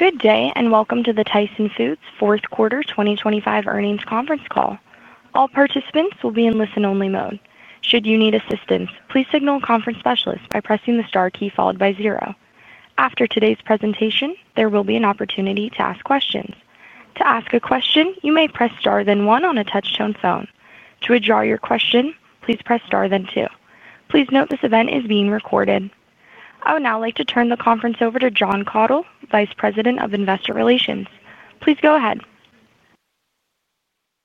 Good day, and welcome to the Tyson Foods Fourth Quarter 2025 earnings conference call. All participants will be in listen-only mode. Should you need assistance, please signal a conference specialist by pressing the star key followed by zero. After today's presentation, there will be an opportunity to ask questions. To ask a question, you may press star then one on a Touchtone phone. To withdraw your question, please press star then two. Please note this event is being recorded. I would now like to turn the conference over to John Cottle, Vice President of Investor Relations. Please go ahead.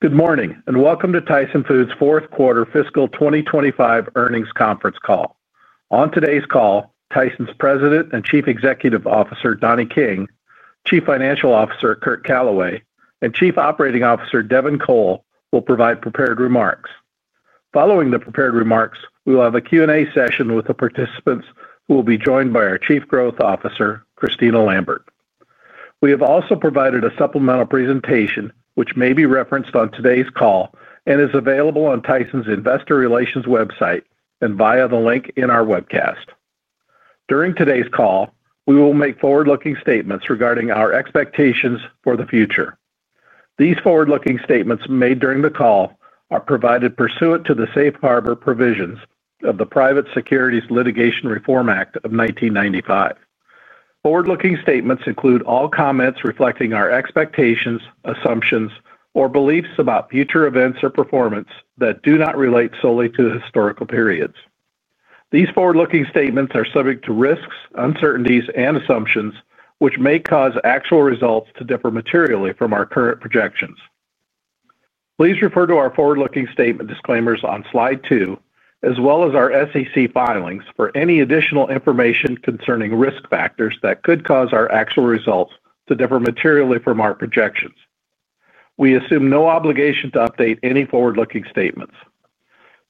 Good morning, and welcome to Tyson Foods Fourth Quarter Fiscal 2025 earnings conference call. On today's call, Tyson's President and Chief Executive Officer Donnie King, Chief Financial Officer Curt Calaway, and Chief Operating Officer Devin Cole will provide prepared remarks. Following the prepared remarks, we will have a Q&A session with the participants who will be joined by our Chief Growth Officer, Kristina Lambert. We have also provided a supplemental presentation, which may be referenced on today's call and is available on Tyson's Investor Relations website and via the link in our webcast. During today's call, we will make forward-looking statements regarding our expectations for the future. These forward-looking statements made during the call are provided pursuant to the safe harbor provisions of the Private Securities Litigation Reform Act of 1995. Forward-looking statements include all comments reflecting our expectations, assumptions, or beliefs about future events or performance that do not relate solely to historical periods. These forward-looking statements are subject to risks, uncertainties, and assumptions, which may cause actual results to differ materially from our current projections. Please refer to our forward-looking statement disclaimers on slide two, as well as our SEC filings for any additional information concerning risk factors that could cause our actual results to differ materially from our projections. We assume no obligation to update any forward-looking statements.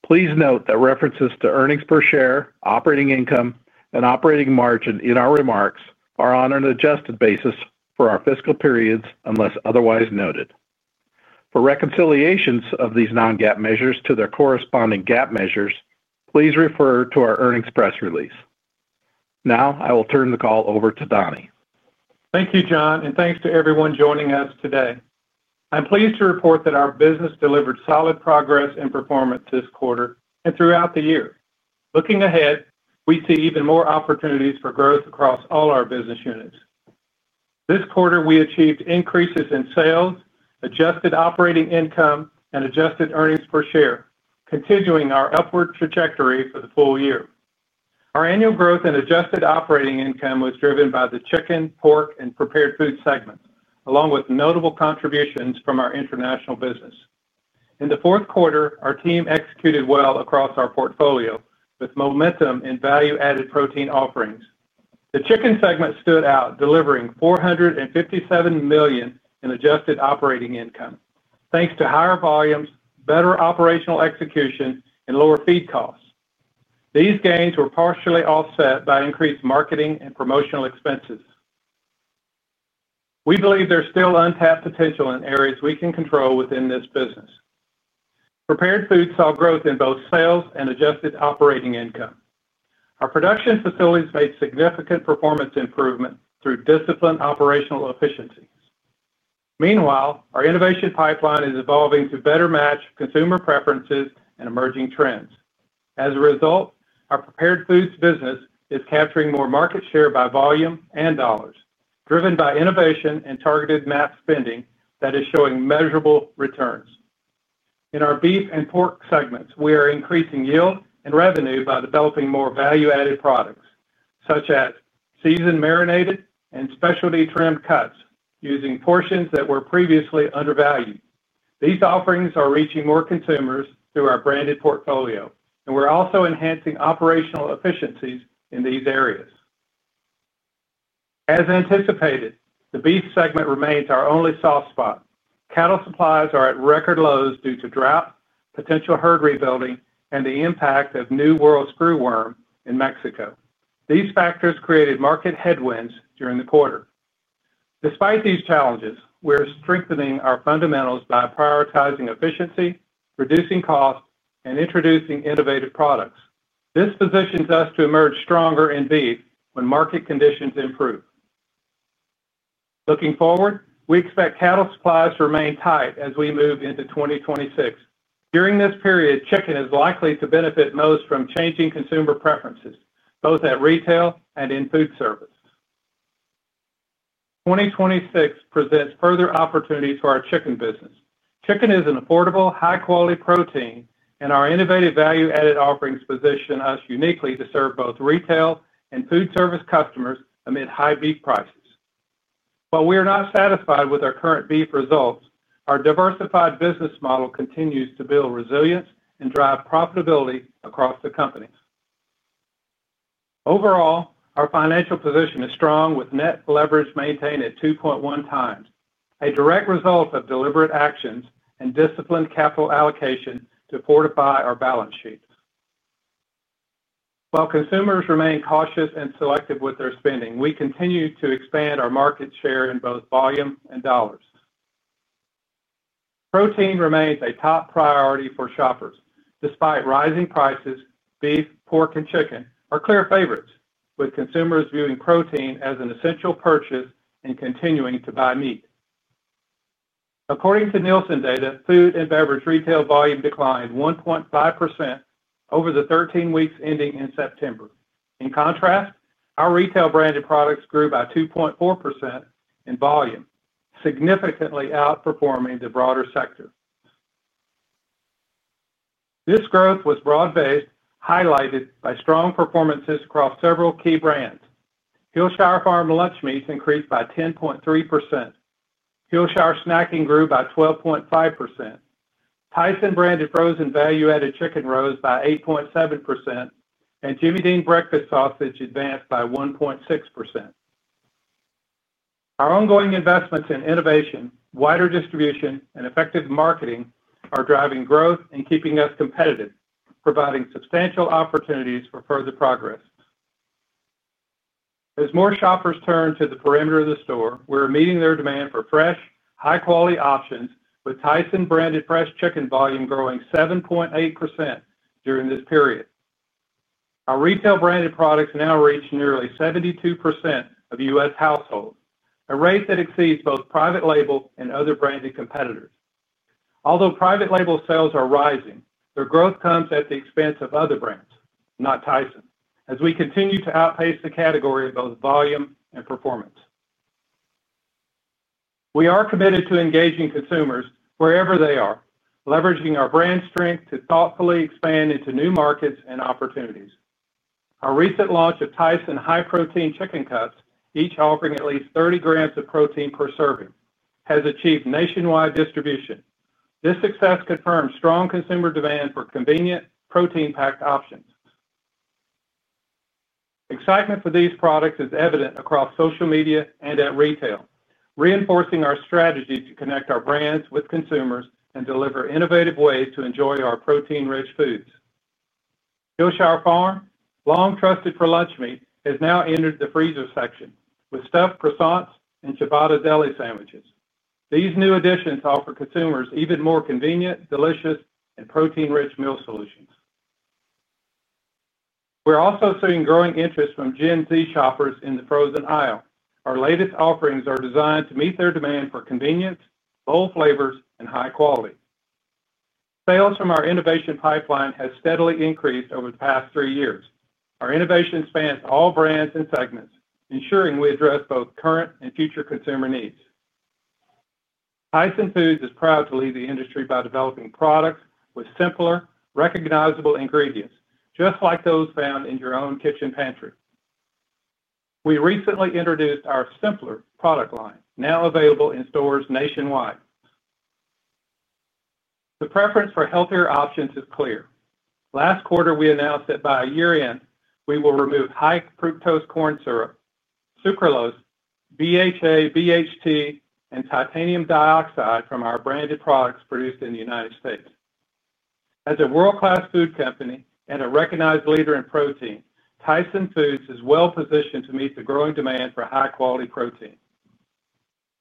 Please note that references to earnings per share, operating income, and operating margin in our remarks are on an adjusted basis for our fiscal periods unless otherwise noted. For reconciliations of these non-GAAP measures to their corresponding GAAP measures, please refer to our earnings press release. Now, I will turn the call over to Donnie. Thank you, John, and thanks to everyone joining us today. I'm pleased to report that our business delivered solid progress in performance this quarter and throughout the year. Looking ahead, we see even more opportunities for growth across all our business units. This quarter, we achieved increases in sales, adjusted operating income, and adjusted earnings per share, continuing our upward trajectory for the full year. Our annual growth in adjusted operating income was driven by the chicken, pork, and prepared food segments, along with notable contributions from our international business. In the fourth quarter, our team executed well across our portfolio with momentum in value-added protein offerings. The chicken segment stood out, delivering $457 million in adjusted operating income, thanks to higher volumes, better operational execution, and lower feed costs. These gains were partially offset by increased marketing and promotional expenses. We believe there's still untapped potential in areas we can control within this business. Prepared foods saw growth in both sales and adjusted operating income. Our production facilities made significant performance improvement through disciplined operational efficiencies. Meanwhile, our innovation pipeline is evolving to better match consumer preferences and emerging trends. As a result, our prepared foods business is capturing more market share by volume and dollars, driven by innovation and targeted mass spending that is showing measurable returns. In our beef and pork segments, we are increasing yield and revenue by developing more value-added products, such as seasoned marinated and specialty trimmed cuts, using portions that were previously undervalued. These offerings are reaching more consumers through our branded portfolio, and we're also enhancing operational efficiencies in these areas. As anticipated, the beef segment remains our only soft spot. Cattle supplies are at record lows due to drought, potential herd rebuilding, and the impact of New World Screwworm in Mexico. These factors created market headwinds during the quarter. Despite these challenges, we're strengthening our fundamentals by prioritizing efficiency, reducing costs, and introducing innovative products. This positions us to emerge stronger in beef when market conditions improve. Looking forward, we expect cattle supplies to remain tight as we move into 2026. During this period, chicken is likely to benefit most from changing consumer preferences, both at retail and in food service. 2026 presents further opportunities for our chicken business. Chicken is an affordable, high-quality protein, and our innovative value-added offerings position us uniquely to serve both retail and food service customers amid high beef prices. While we are not satisfied with our current beef results, our diversified business model continues to build resilience and drive profitability across the company. Overall, our financial position is strong, with net leverage maintained at 2.1x, a direct result of deliberate actions and disciplined capital allocation to fortify our balance sheet. While consumers remain cautious and selective with their spending, we continue to expand our market share in both volume and dollars. Protein remains a top priority for shoppers. Despite rising prices, beef, pork, and chicken are clear favorites, with consumers viewing protein as an essential purchase and continuing to buy meat. According to Nielsen data, food and beverage retail volume declined 1.5% over the 13 weeks ending in September. In contrast, our retail branded products grew by 2.4% in volume, significantly outperforming the broader sector. This growth was broad-based, highlighted by strong performances across several key brands. Hillshire Farm lunch meats increased by 10.3%. Hillshire snacking grew by 12.5%. Tyson branded frozen value-added chicken rose by 8.7%, and Jimmy Dean breakfast sausage advanced by 1.6%. Our ongoing investments in innovation, wider distribution, and effective marketing are driving growth and keeping us competitive, providing substantial opportunities for further progress. As more shoppers turn to the perimeter of the store, we're meeting their demand for fresh, high-quality options, with Tyson branded fresh chicken volume growing 7.8% during this period. Our retail branded products now reach nearly 72% of U.S. households, a rate that exceeds both private label and other branded competitors. Although private label sales are rising, their growth comes at the expense of other brands, not Tyson, as we continue to outpace the category in both volume and performance. We are committed to engaging consumers wherever they are, leveraging our brand strength to thoughtfully expand into new markets and opportunities. Our recent launch of Tyson high protein chicken cuts, each offering at least 30 grams of protein per serving, has achieved nationwide distribution. This success confirms strong consumer demand for convenient, protein-packed options. Excitement for these products is evident across social media and at retail, reinforcing our strategy to connect our brands with consumers and deliver innovative ways to enjoy our protein-rich foods. Hillshire Farm, long trusted for lunch meat, has now entered the freezer section with stuffed croissants and ciabatta deli sandwiches. These new additions offer consumers even more convenient, delicious, and protein-rich meal solutions. We're also seeing growing interest from Gen Z shoppers in the frozen aisle. Our latest offerings are designed to meet their demand for convenience, bold flavors, and high quality. Sales from our innovation pipeline have steadily increased over the past three years. Our innovation spans all brands and segments, ensuring we address both current and future consumer needs. Tyson Foods is proud to lead the industry by developing products with simpler, recognizable ingredients, just like those found in your own kitchen pantry. We recently introduced our Simpler product line, now available in stores nationwide. The preference for healthier options is clear. Last quarter, we announced that by year-end, we will remove high fructose corn syrup, sucralose, BHA, BHT, and titanium dioxide from our branded products produced in the United States. As a world-class food company and a recognized leader in protein, Tyson Foods is well positioned to meet the growing demand for high-quality protein.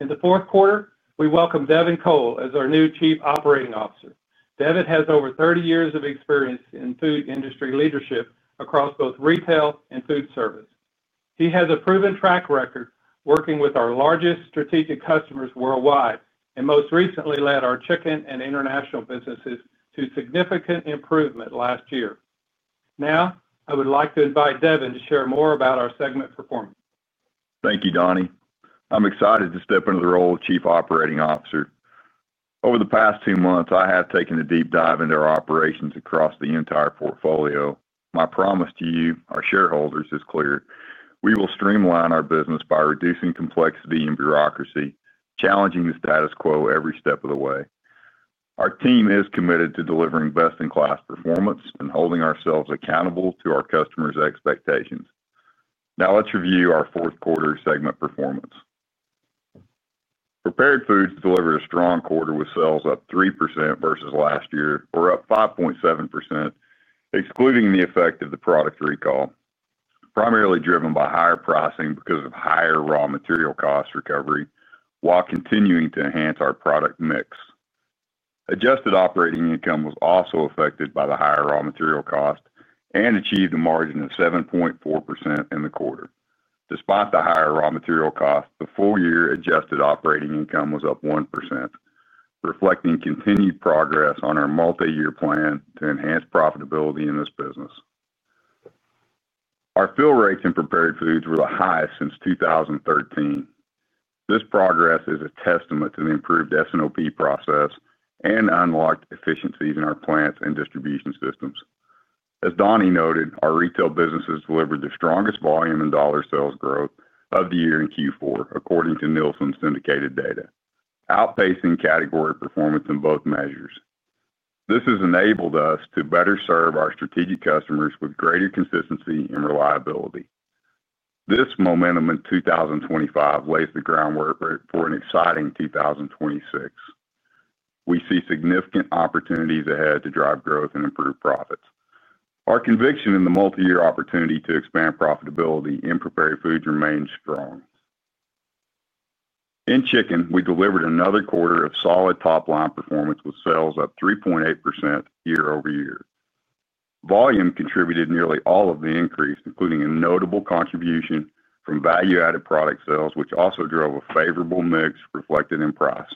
In the fourth quarter, we welcome Devin Cole as our new Chief Operating Officer. Devin has over 30 years of experience in food industry leadership across both retail and food service. He has a proven track record working with our largest strategic customers worldwide and most recently led our chicken and international businesses to significant improvement last year. Now, I would like to invite Devin to share more about our segment performance. Thank you, Donnie. I'm excited to step into the role of Chief Operating Officer. Over the past two months, I have taken a deep dive into our operations across the entire portfolio. My promise to you, our shareholders, is clear. We will streamline our business by reducing complexity and bureaucracy, challenging the status quo every step of the way. Our team is committed to delivering best-in-class performance and holding ourselves accountable to our customers' expectations. Now, let's review our fourth quarter segment performance. Prepared foods delivered a strong quarter with sales up 3% versus last year, or up 5.7%, excluding the effect of the product recall, primarily driven by higher pricing because of higher raw material cost recovery, while continuing to enhance our product mix. Adjusted operating income was also affected by the higher raw material cost and achieved a margin of 7.4% in the quarter. Despite the higher raw material cost, the full-year adjusted operating income was up 1%, reflecting continued progress on our multi-year plan to enhance profitability in this business. Our fill rates in prepared foods were the highest since 2013. This progress is a testament to the improved S&OP process and unlocked efficiencies in our plants and distribution systems. As Donnie noted, our retail business has delivered the strongest volume and dollar sales growth of the year in Q4, according to Nielsen's syndicated data, outpacing category performance in both measures. This has enabled us to better serve our strategic customers with greater consistency and reliability. This momentum in 2025 lays the groundwork for an exciting 2026. We see significant opportunities ahead to drive growth and improve profits. Our conviction in the multi-year opportunity to expand profitability in prepared foods remains strong. In chicken, we delivered another quarter of solid top-line performance with sales up 3.8% year-over-year. Volume contributed nearly all of the increase, including a notable contribution from value-added product sales, which also drove a favorable mix reflected in price.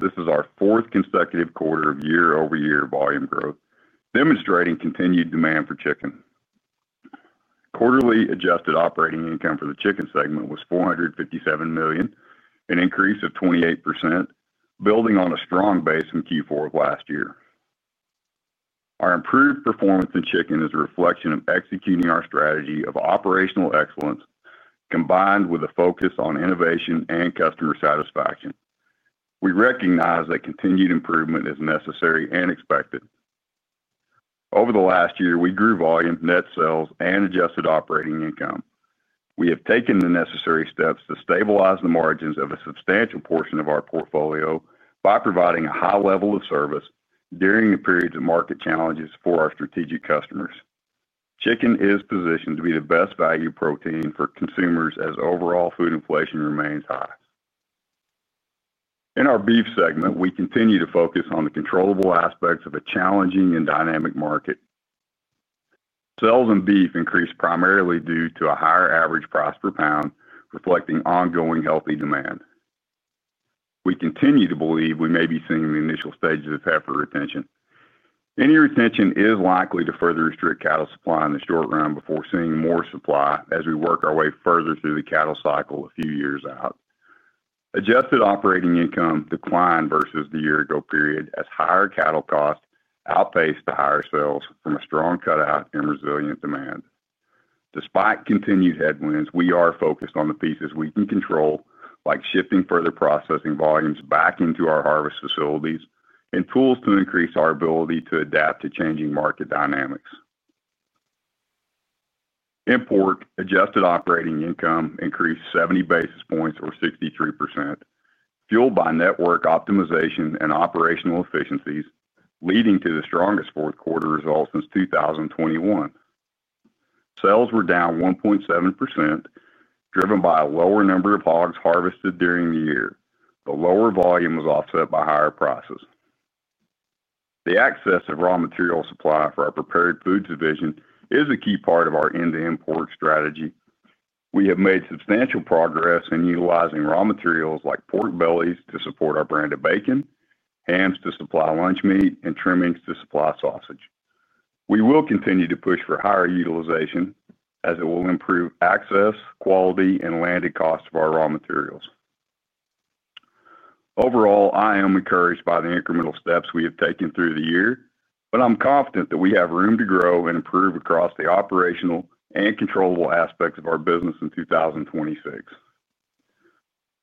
This is our fourth consecutive quarter of year-over-year volume growth, demonstrating continued demand for chicken. Quarterly adjusted operating income for the chicken segment was $457 million, an increase of 28%, building on a strong base in Q4 of last year. Our improved performance in chicken is a reflection of executing our strategy of operational excellence, combined with a focus on innovation and customer satisfaction. We recognize that continued improvement is necessary and expected. Over the last year, we grew volume, net sales, and adjusted operating income. We have taken the necessary steps to stabilize the margins of a substantial portion of our portfolio by providing a high level of service during the periods of market challenges for our strategic customers. Chicken is positioned to be the best value protein for consumers as overall food inflation remains high. In our beef segment, we continue to focus on the controllable aspects of a challenging and dynamic market. Sales in beef increased primarily due to a higher average price per pound, reflecting ongoing healthy demand. We continue to believe we may be seeing the initial stages Heifer Retention. any retention is likely to further restrict cattle supply in the short run before seeing more supply as we work our way further through the cattle cycle a few years out. Adjusted operating income declined versus the year-ago period as higher cattle costs outpaced the higher sales from a strong cutout and resilient demand. Despite continued headwinds, we are focused on the pieces we can control, like shifting further processing volumes back into our harvest facilities and tools to increase our ability to adapt to changing market dynamics. In pork, adjusted operating income increased 70 basis points, or 63%, fueled by network optimization and operational efficiencies, leading to the strongest fourth-quarter result since 2021. Sales were down 1.7%, driven by a lower number of hogs harvested during the year. The lower volume was offset by higher prices. The excess of raw material supply for our prepared foods division is a key part of our end-to-end pork strategy. We have made substantial progress in utilizing raw materials like pork bellies to support our branded bacon, hams to supply lunch meat, and trimmings to supply sausage. We will continue to push for higher utilization as it will improve access, quality, and landed costs of our raw materials. Overall, I am encouraged by the incremental steps we have taken through the year, but I'm confident that we have room to grow and improve across the operational and controllable aspects of our business in 2026.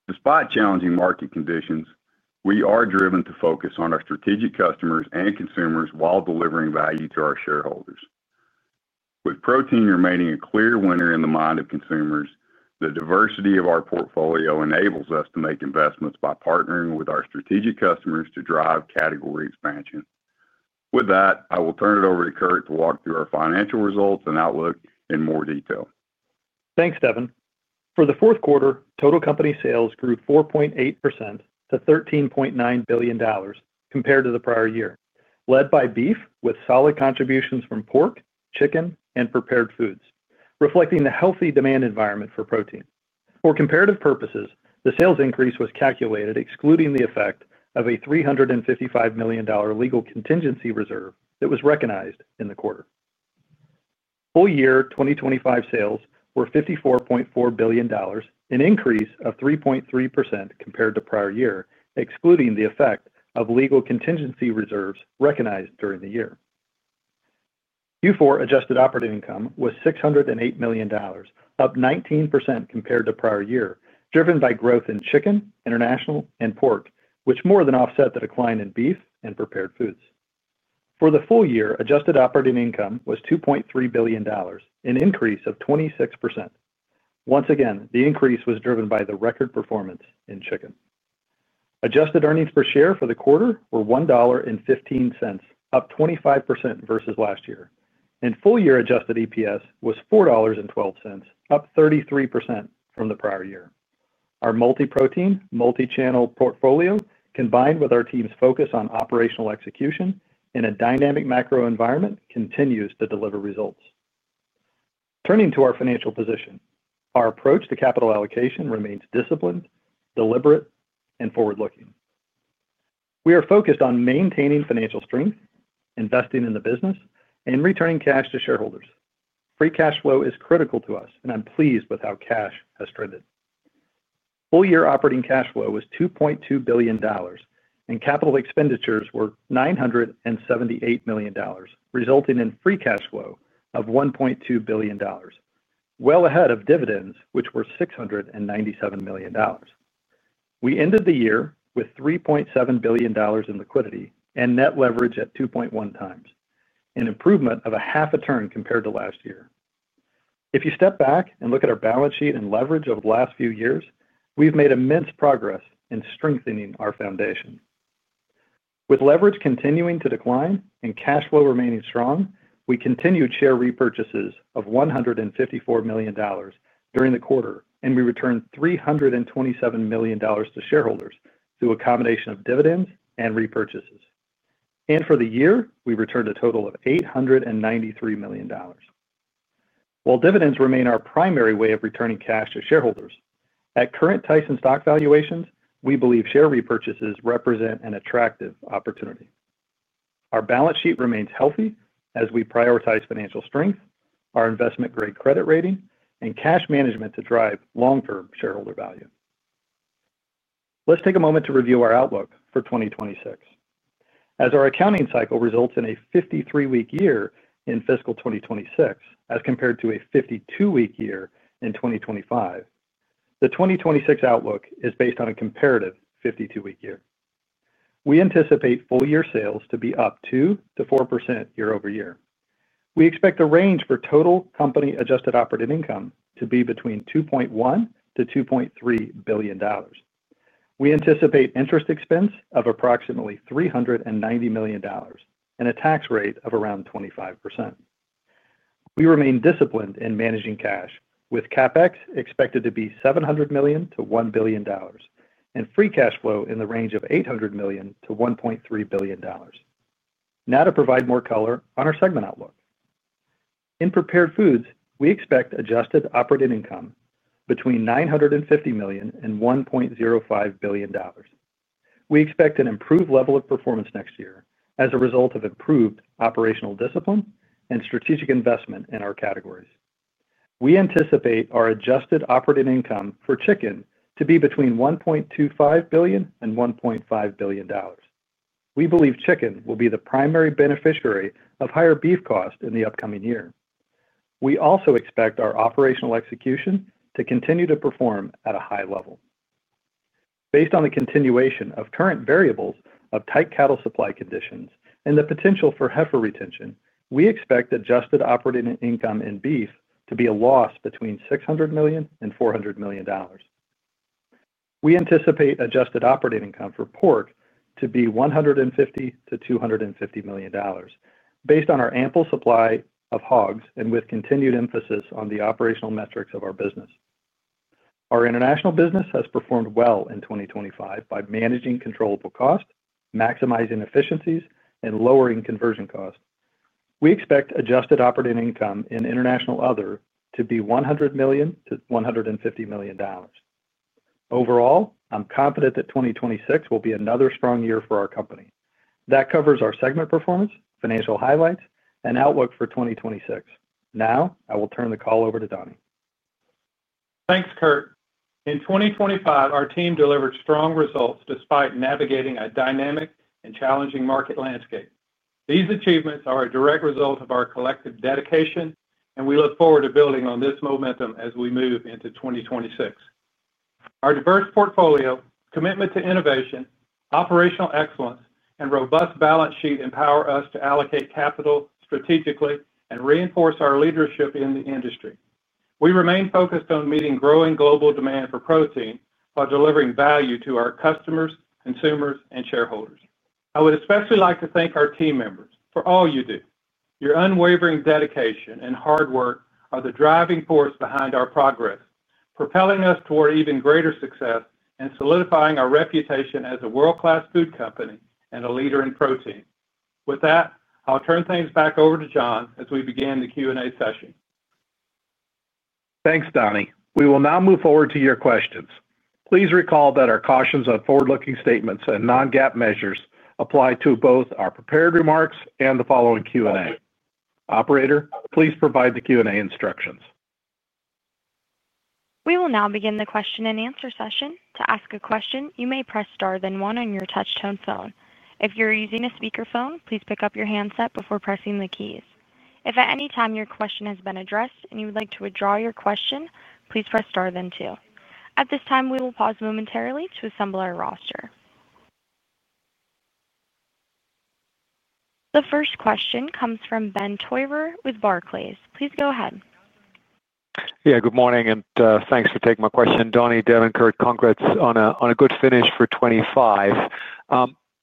Despite challenging market conditions, we are driven to focus on our strategic customers and consumers while delivering value to our shareholders. With protein remaining a clear winner in the mind of consumers, the diversity of our portfolio enables us to make investments by partnering with our strategic customers to drive category expansion. With that, I will turn it over to Curt to walk through our financial results and outlook in more detail. Thanks, Devin. For the fourth quarter, total company sales grew 4.8% to $13.9 billion compared to the prior year, led by beef with solid contributions from pork, chicken, and prepared foods, reflecting the healthy demand environment for protein. For comparative purposes, the sales increase was calculated excluding the effect of a $355 million legal contingency reserve that was recognized in the quarter. Full-year 2025 sales were $54.4 billion, an increase of 3.3% compared to prior year, excluding the effect of legal contingency reserves recognized during the year. Q4 adjusted operating income was $608 million, up 19% compared to prior year, driven by growth in chicken, international, and pork, which more than offset the decline in beef and prepared foods. For the full year, adjusted operating income was $2.3 billion, an increase of 26%. Once again, the increase was driven by the record performance in chicken. Adjusted earnings per share for the quarter were $1.15, up 25% versus last year. Full-year adjusted EPS was $4.12, up 33% from the prior year. Our multi-protein, multi-channel portfolio, combined with our team's focus on operational execution in a dynamic macro environment, continues to deliver results. Turning to our financial position, our approach to capital allocation remains disciplined, deliberate, and forward-looking. We are focused on maintaining financial strength, investing in the business, and returning cash to shareholders. Free cash flow is critical to us, and I'm pleased with how cash has trended. Full-year operating cash flow was $2.2 billion, and capital expenditures were $978 million, resulting in free cash flow of $1.2 billion, well ahead of dividends, which were $697 million. We ended the year with $3.7 billion in liquidity and net leverage at 2.1 times, an improvement of a half a turn compared to last year. If you step back and look at our balance sheet and leverage over the last few years, we've made immense progress in strengthening our foundation. With leverage continuing to decline and cash flow remaining strong, we continued share repurchases of $154 million during the quarter, and we returned $327 million to shareholders through a combination of dividends and repurchases. For the year, we returned a total of $893 million. While dividends remain our primary way of returning cash to shareholders, at current Tyson stock valuations, we believe share repurchases represent an attractive opportunity. Our balance sheet remains healthy as we prioritize financial strength, our investment-grade credit rating, and cash management to drive long-term shareholder value. Let's take a moment to review our outlook for 2026. As our accounting cycle results in a 53-week year in fiscal 2026 as compared to a 52-week year in 2025, the 2026 outlook is based on a comparative 52-week year. We anticipate full-year sales to be up 2%-4% year-over-year. We expect the range for total company adjusted operating income to be between $2.1 billion and $2.3 billion. We anticipate interest expense of approximately $390 million and a tax rate of around 25%. We remain disciplined in managing cash, with CapEx expected to be $700 million-$1 billion, and free cash flow in the range of $800 million-$1.3 billion. Now, to provide more color on our segment outlook. In prepared foods, we expect adjusted operating income between $950 million and $1.05 billion. We expect an improved level of performance next year as a result of improved operational discipline and strategic investment in our categories. We anticipate our adjusted operating income for chicken to be between $1.25 billion and $1.5 billion. We believe chicken will be the primary beneficiary of higher beef costs in the upcoming year. We also expect our operational execution to continue to perform at a high level. Based on the continuation of current variables of tight cattle supply conditions and the potential Heifer Retention, we expect adjusted operating income in beef to be a loss between $600 million and $400 million. We anticipate adjusted operating income for pork to be $150 million-$250 million, based on our ample supply of hogs and with continued emphasis on the operational metrics of our business. Our international business has performed well in 2025 by managing controllable costs, maximizing efficiencies, and lowering conversion costs. We expect adjusted operating income in international other to be $100 million-$150 million. Overall, I'm confident that 2026 will be another strong year for our company. That covers our segment performance, financial highlights, and outlook for 2026. Now, I will turn the call over to Donnie. Thanks, Curt. In 2025, our team delivered strong results despite navigating a dynamic and challenging market landscape. These achievements are a direct result of our collective dedication, and we look forward to building on this momentum as we move into 2026. Our diverse portfolio, commitment to innovation, operational excellence, and robust balance sheet empower us to allocate capital strategically and reinforce our leadership in the industry. We remain focused on meeting growing global demand for protein while delivering value to our customers, consumers, and shareholders. I would especially like to thank our team members for all you do. Your unwavering dedication and hard work are the driving force behind our progress, propelling us toward even greater success and solidifying our reputation as a world-class food company and a leader in protein. With that, I'll turn things back over to John as we begin the Q&A session. Thanks, Donnie. We will now move forward to your questions. Please recall that our cautions on forward-looking statements and non-GAAP measures apply to both our prepared remarks and the following Q&A. Operator, please provide the Q&A instructions. We will now begin the question and answer session. To ask a question, you may press star then one on your touch-tone phone. If you're using a speakerphone, please pick up your handset before pressing the keys. If at any time your question has been addressed and you would like to withdraw your question, please press star then two. At this time, we will pause momentarily to assemble our roster. The first question comes from Benjamin Theurer with Barclays. Please go ahead. Yeah, good morning and thanks for taking my question. Donnie, Devin, Curt, congrats on a good finish for 2025.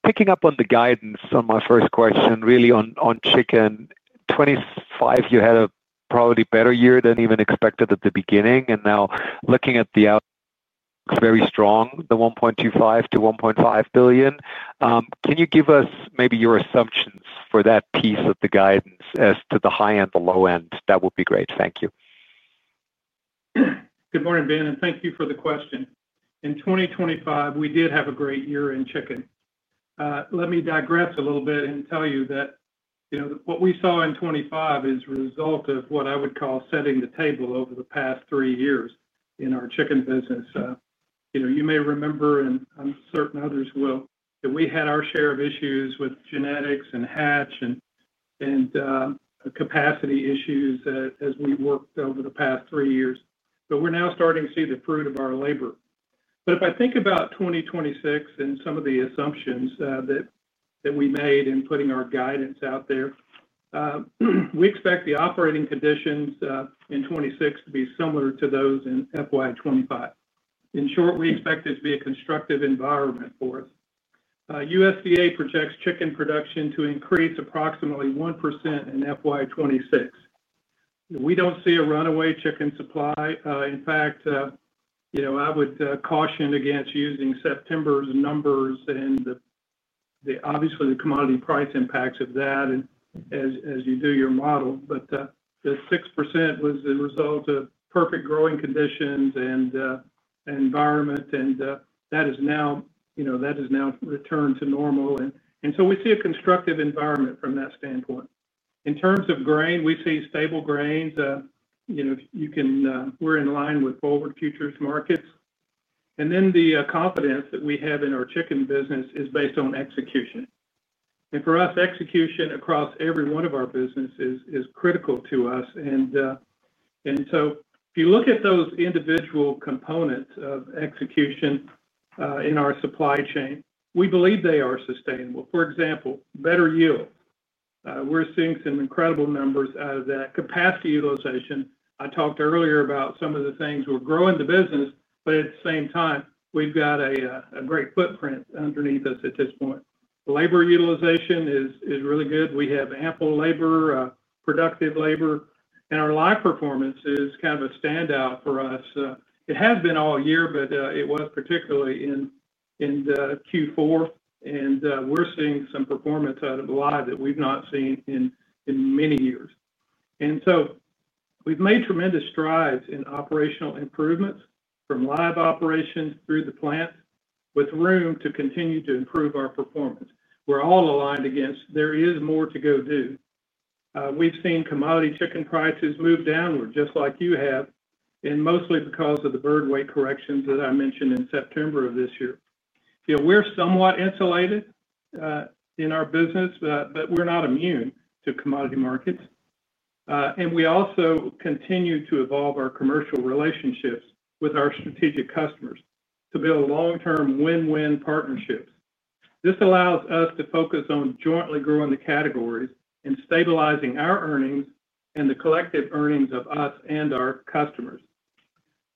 Picking up on the guidance on my first question, really on chicken, 2025, you had a probably better year than even expected at the beginning. And now looking at the outlook, very strong, the $1.25 billion-$1.5 billion. Can you give us maybe your assumptions for that piece of the guidance as to the high end, the low end? That would be great. Thank you. Good morning, Ben, and thank you for the question. In 2025, we did have a great year in chicken. Let me digress a little bit and tell you that what we saw in 2025 is a result of what I would call setting the table over the past three years in our chicken business. You may remember, and I'm certain others will, that we had our share of issues with genetics and hatch and capacity issues as we worked over the past three years. We're now starting to see the fruit of our labor. If I think about 2026 and some of the assumptions that we made in putting our guidance out there, we expect the operating conditions in 2026 to be similar to those in FY 2025. In short, we expect it to be a constructive environment for us. USDA projects chicken production to increase approximately 1% in FY 2026. We do not see a runaway chicken supply. In fact, I would caution against using September's numbers and obviously the commodity price impacts of that as you do your model. The 6% was the result of perfect growing conditions and environment, and that is now returned to normal. We see a constructive environment from that standpoint. In terms of grain, we see stable grains. We are in line with forward futures markets. The confidence that we have in our chicken business is based on execution. For us, execution across every one of our businesses is critical to us. If you look at those individual components of execution in our supply chain, we believe they are sustainable. For example, better yield. We are seeing some incredible numbers out of that. Capacity utilization, I talked earlier about some of the things we're growing the business, but at the same time, we've got a great footprint underneath us at this point. Labor utilization is really good. We have ample labor, productive labor, and our live performance is kind of a standout for us. It has been all year, but it was particularly in Q4, and we're seeing some performance out of live that we've not seen in many years. We have made tremendous strides in operational improvements from live operations through the plant with room to continue to improve our performance. We're all aligned against there is more to go do. We've seen commodity chicken prices move downward, just like you have, and mostly because of the bird weight corrections that I mentioned in September of this year. We're somewhat insulated in our business, but we're not immune to commodity markets. We also continue to evolve our commercial relationships with our strategic customers to build long-term win-win partnerships. This allows us to focus on jointly growing the categories and stabilizing our earnings and the collective earnings of us and our customers.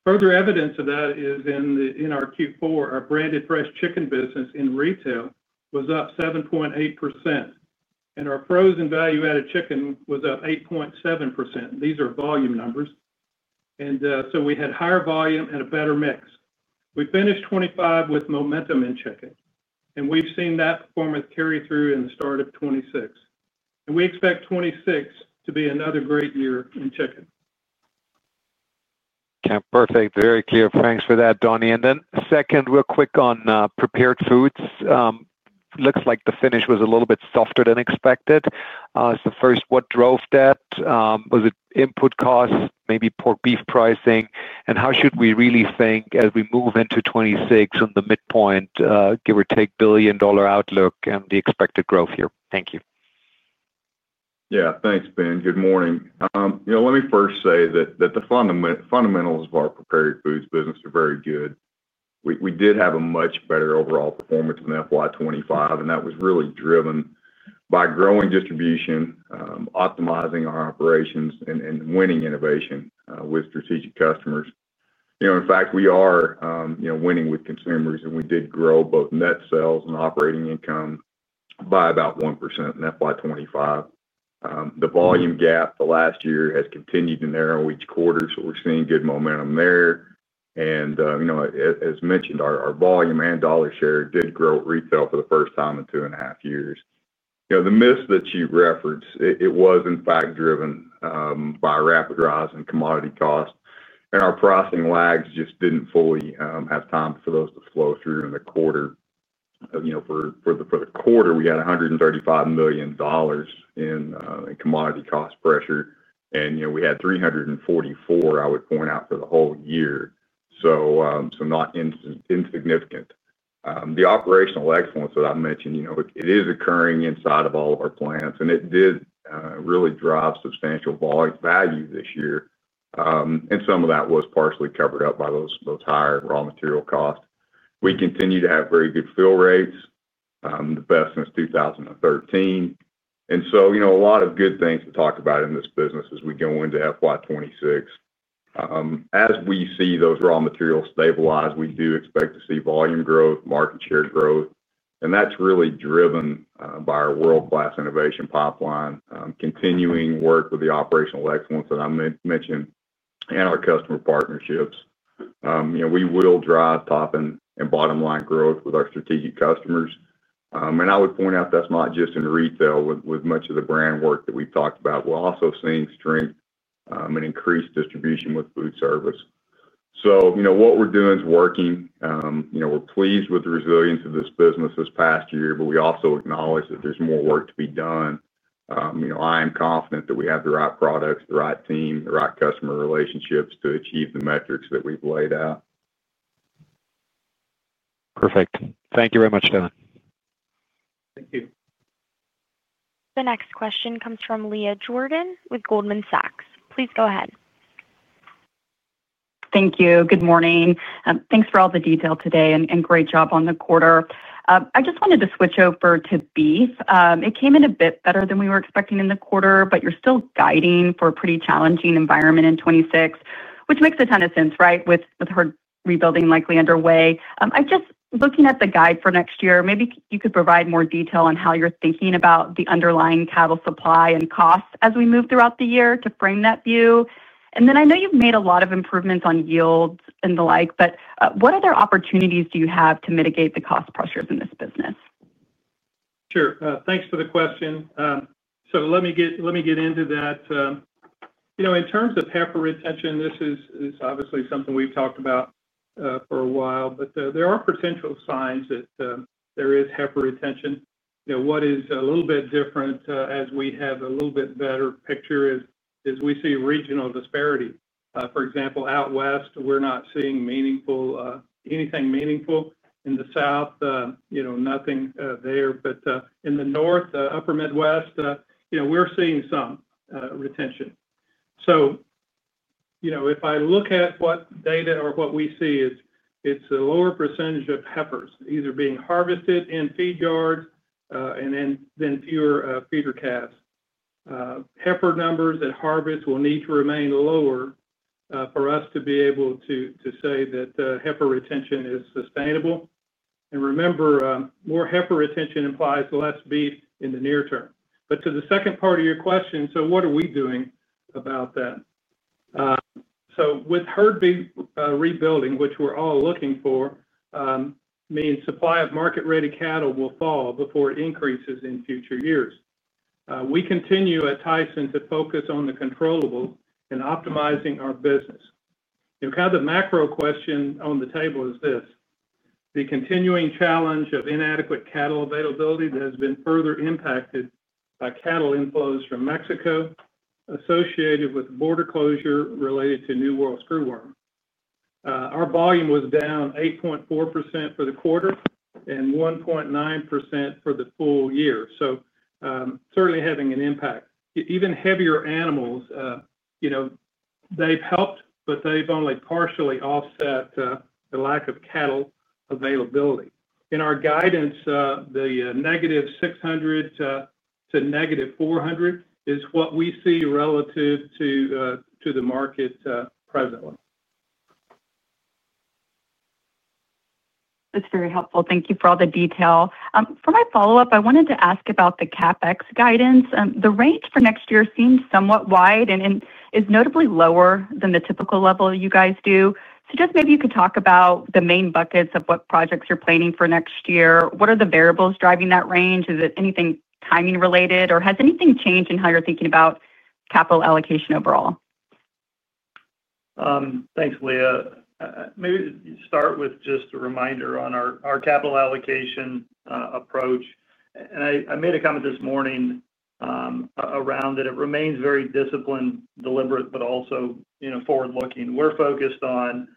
Further evidence of that is in our Q4, our branded fresh chicken business in retail was up 7.8%, and our frozen value-added chicken was up 8.7%. These are volume numbers. We had higher volume and a better mix. We finished 2025 with momentum in chicken, and we have seen that performance carry through in the start of 2026. We expect 2026 to be another great year in chicken. Okay, perfect. Very clear. Thanks for that, Donnie. Then second, real quick on prepared foods. Looks like the finish was a little bit softer than expected. What drove that? Was it input costs, maybe pork beef pricing? How should we really think as we move into 2026 on the midpoint, give or take billion-dollar outlook and the expected growth here? Thank you. Yeah, thanks, Ben. Good morning. Let me first say that the fundamentals of our prepared foods business are very good. We did have a much better overall performance in FY 2025, and that was really driven by growing distribution, optimizing our operations, and winning innovation with strategic customers. In fact, we are winning with consumers, and we did grow both net sales and operating income by about 1% in FY 2025. The volume gap the last year has continued to narrow each quarter, so we're seeing good momentum there. As mentioned, our volume and dollar share did grow at retail for the first time in two and a half years. The miss that you referenced, it was in fact driven by rapid rise in commodity costs, and our pricing lags just did not fully have time for those to flow through in the quarter. For the quarter, we had $135 million in commodity cost pressure, and we had $344 million, I would point out, for the whole year. Not insignificant. The operational excellence that I mentioned, it is occurring inside of all of our plants, and it did really drive substantial value this year. Some of that was partially covered up by those higher raw material costs. We continue to have very good fill rates, the best since 2013. A lot of good things to talk about in this business as we go into FY 2026. As we see those raw materials stabilize, we do expect to see volume growth, market share growth, and that's really driven by our world-class innovation pipeline, continuing work with the operational excellence that I mentioned, and our customer partnerships. We will drive top and bottom line growth with our strategic customers. I would point out that's not just in retail with much of the brand work that we've talked about. We're also seeing strength and increased distribution with food service. What we're doing is working. We're pleased with the resilience of this business this past year, but we also acknowledge that there's more work to be done. I am confident that we have the right products, the right team, the right customer relationships to achieve the metrics that we've laid out. Perfect. Thank you very much, Dylan. Thank you. The next question comes from Leah Jordan with Goldman Sachs. Please go ahead. Thank you. Good morning. Thanks for all the detail today and great job on the quarter. I just wanted to switch over to beef. It came in a bit better than we were expecting in the quarter, but you're still guiding for a pretty challenging environment in 2026, which makes a ton of sense, right, with herd rebuilding likely underway. I'm just looking at the guide for next year. Maybe you could provide more detail on how you're thinking about the underlying cattle supply and costs as we move throughout the year to frame that view. I know you've made a lot of improvements on yields and the like, but what other opportunities do you have to mitigate the cost pressures in this business? Sure. Thanks for the question. Let me get into that. In terms Heifer Retention, this is obviously something we've talked about for a while, but there are potential signs that there Heifer Retention. what is a little bit different as we have a little bit better picture is we see regional disparity. For example, out west, we're not seeing anything meaningful. In the south, nothing there. In the north, upper Midwest, we're seeing some retention. If I look at what data or what we see, it's a lower percentage of heifers either being harvested in feed yards and then fewer feeder calves. Heifer numbers at harvest will need to remain lower for us to be able to say Heifer Retention is sustainable. Remember, Heifer Retention implies less beef in the near term. To the second part of your question, what are we doing about that? With herd rebuilding, which we're all looking for, it means supply of market-ready cattle will fall before it increases in future years. We continue at Tyson to focus on the controllable and optimizing our business. Kind of the macro question on the table is this: the continuing challenge of inadequate cattle availability that has been further impacted by cattle inflows from Mexico associated with border closure related to New World Screwworm. Our volume was down 8.4% for the quarter and 1.9% for the full year. Certainly having an impact. Even heavier animals, they've helped, but they've only partially offset the lack of cattle availability. In our guidance, the -600 to -400 is what we see relative to the market presently. That's very helpful. Thank you for all the detail. For my follow-up, I wanted to ask about the CAPEX guidance. The range for next year seems somewhat wide and is notably lower than the typical level you guys do. Just maybe you could talk about the main buckets of what projects you're planning for next year. What are the variables driving that range? Is it anything timing related, or has anything changed in how you're thinking about capital allocation overall? Thanks, Leah. Maybe start with just a reminder on our capital allocation approach. I made a comment this morning around that it remains very disciplined, deliberate, but also forward-looking. We're focused on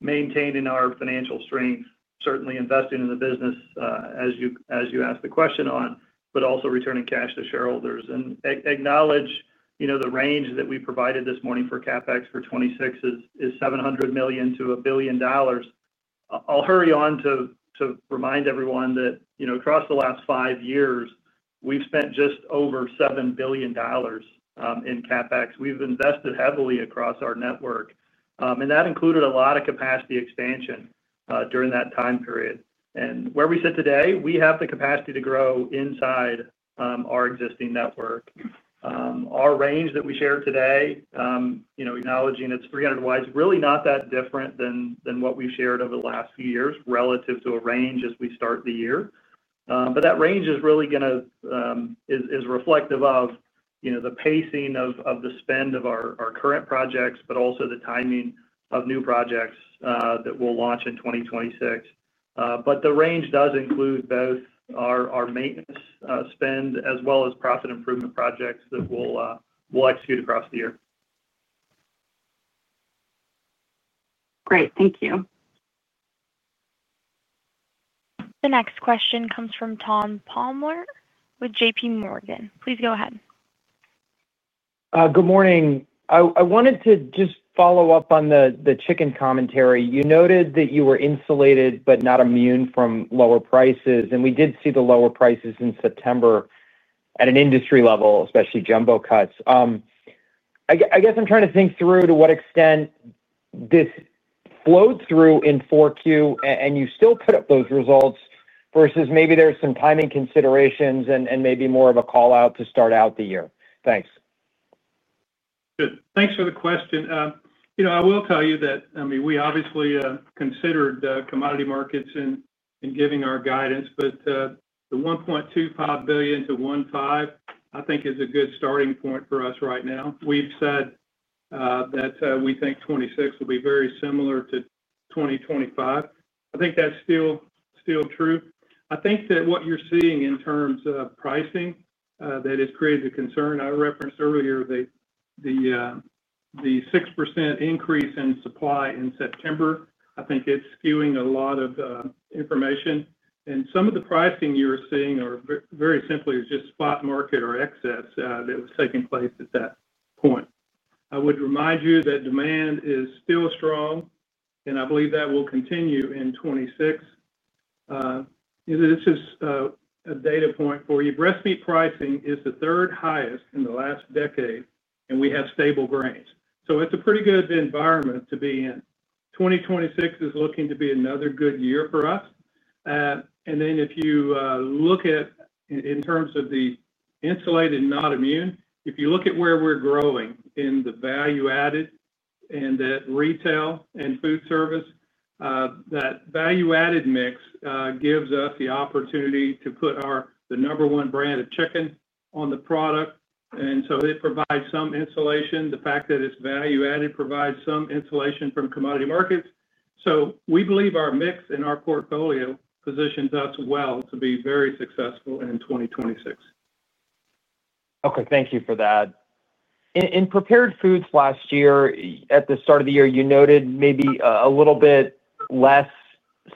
maintaining our financial strength, certainly investing in the business, as you asked the question on, but also returning cash to shareholders. I acknowledge the range that we provided this morning for CAPEX for 2026 is $700 million-$1 billion. I'll hurry on to remind everyone that across the last five years, we've spent just over $7 billion in CAPEX. We've invested heavily across our network, and that included a lot of capacity expansion during that time period. Where we sit today, we have the capacity to grow inside our existing network. Our range that we shared today, acknowledging it's $300 million wide, really not that different than what we've shared over the last few years relative to a range as we start the year. That range is really going to be reflective of the pacing of the spend of our current projects, but also the timing of new projects that we'll launch in 2026. The range does include both our maintenance spend as well as profit improvement projects that we'll execute across the year. Great. Thank you. The next question comes from Tom Palmer with JPMorgan. Please go ahead. Good morning. I wanted to just follow up on the chicken commentary. You noted that you were insulated but not immune from lower prices, and we did see the lower prices in September at an industry level, especially jumbo cuts. I guess I'm trying to think through to what extent this flowed through in Q4, and you still put up those results versus maybe there's some timing considerations and maybe more of a callout to start out the year. Thanks. Good. Thanks for the question. I will tell you that we obviously considered commodity markets in giving our guidance, but the $1.25 billion-$1.5 billion, I think, is a good starting point for us right now. We've said that we think 2026 will be very similar to 2025. I think that's still true. I think that what you're seeing in terms of pricing that has created a concern, I referenced earlier the 6% increase in supply in September. I think it's skewing a lot of information. Some of the pricing you're seeing are very simply just spot market or excess that was taking place at that point. I would remind you that demand is still strong, and I believe that will continue in 2026. This is a data point for you. Breast meat pricing is the third highest in the last decade, and we have stable grains. It's a pretty good environment to be in. 2026 is looking to be another good year for us. If you look at in terms of the insulated, not immune, if you look at where we're growing in the value-added and that retail and food service, that value-added mix gives us the opportunity to put our number one brand of chicken on the product. It provides some insulation. The fact that it's value-added provides some insulation from commodity markets. We believe our mix and our portfolio positions us well to be very successful in 2026. Okay. Thank you for that. In prepared foods last year, at the start of the year, you noted maybe a little bit less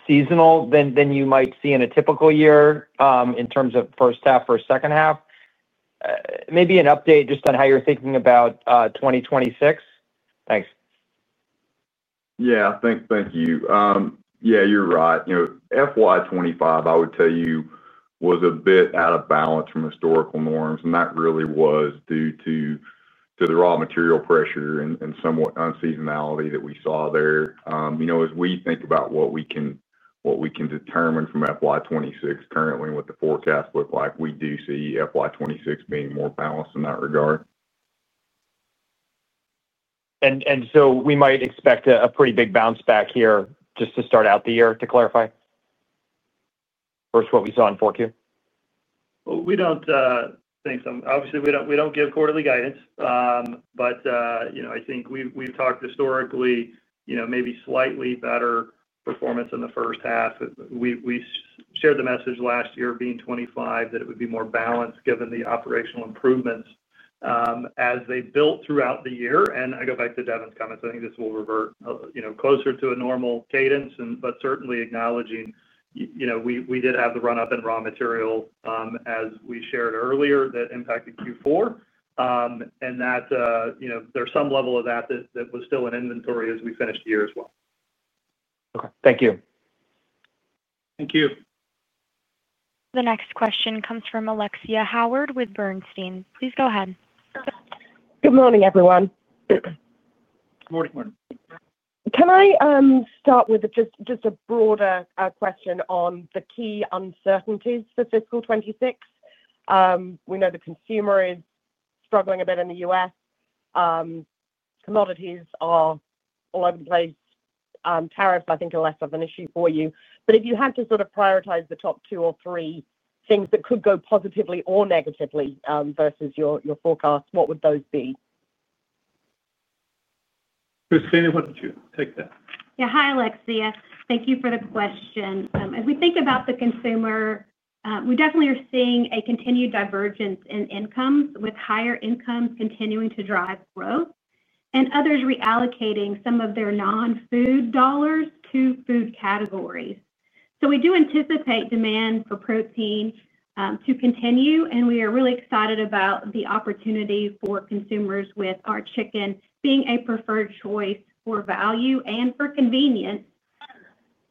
seasonal than you might see in a typical year in terms of first half or second half. Maybe an update just on how you're thinking about 2026? Thanks. Yeah. Thank you. Yeah, you're right. FY 2025, I would tell you, was a bit out of balance from historical norms, and that really was due to the raw material pressure and somewhat unseasonality that we saw there. As we think about what we can determine from FY 2026 currently and what the forecast looks like, we do see FY 2026 being more balanced in that regard. We might expect a pretty big bounce back here just to start out the year, to clarify. First, what we saw in Q4? We do not think so. Obviously, we do not give quarterly guidance, but I think we have talked historically maybe slightly better performance in the first half. We shared the message last year of being 2025 that it would be more balanced given the operational improvements as they built throughout the year. I go back to Devin's comments. I think this will revert closer to a normal cadence, but certainly acknowledging we did have the run-up in raw material as we shared earlier that impacted Q4 and that there is some level of that that was still in inventory as we finished the year as well. Okay. Thank you. Thank you. The next question comes from Alexia Howard with Bernstein. Please go ahead. Good morning, everyone. Good morning. Can I start with just a broader question on the key uncertainties for fiscal 2026? We know the consumer is struggling a bit in the U.S. Commodities are all over the place. Tariffs, I think, are less of an issue for you. If you had to sort of prioritize the top two or three things that could go positively or negatively versus your forecast, what would those be? Christina, why don't you take that? Yeah. Hi, Alexia. Thank you for the question. As we think about the consumer, we definitely are seeing a continued divergence in incomes with higher incomes continuing to drive growth and others reallocating some of their non-food dollars to food categories. We do anticipate demand for protein to continue, and we are really excited about the opportunity for consumers with our chicken being a preferred choice for value and for convenience.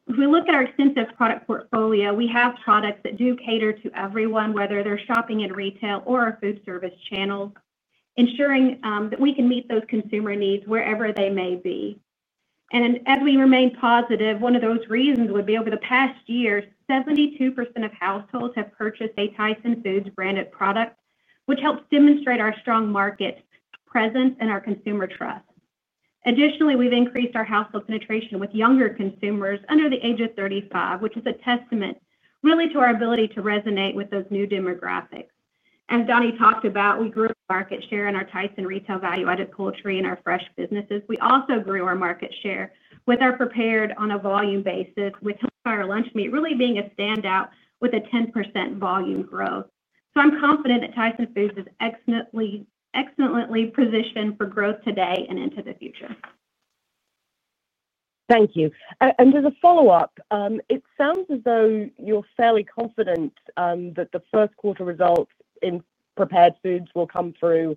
If we look at our extensive product portfolio, we have products that do cater to everyone, whether they're shopping in retail or our food service channels, ensuring that we can meet those consumer needs wherever they may be. As we remain positive, one of those reasons would be over the past year, 72% of households have purchased a Tyson Foods branded product, which helps demonstrate our strong market presence and our consumer trust. Additionally, we've increased our household penetration with younger consumers under the age of 35, which is a testament really to our ability to resonate with those new demographics. As Donnie talked about, we grew our market share in our Tyson retail value-added poultry and our fresh businesses. We also grew our market share with our prepared on a volume basis, with our lunch meat really being a standout with a 10% volume growth. I am confident that Tyson Foods is excellently positioned for growth today and into the future. Thank you. As a follow-up, it sounds as though you're fairly confident that the first quarter results in prepared foods will come through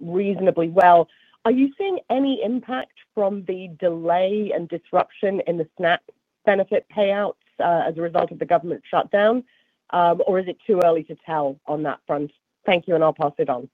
reasonably well. Are you seeing any impact from the delay and disruption in the SNAP benefit payouts as a result of the government shutdown, or is it too early to tell on that front? Thank you, I'll pass it on.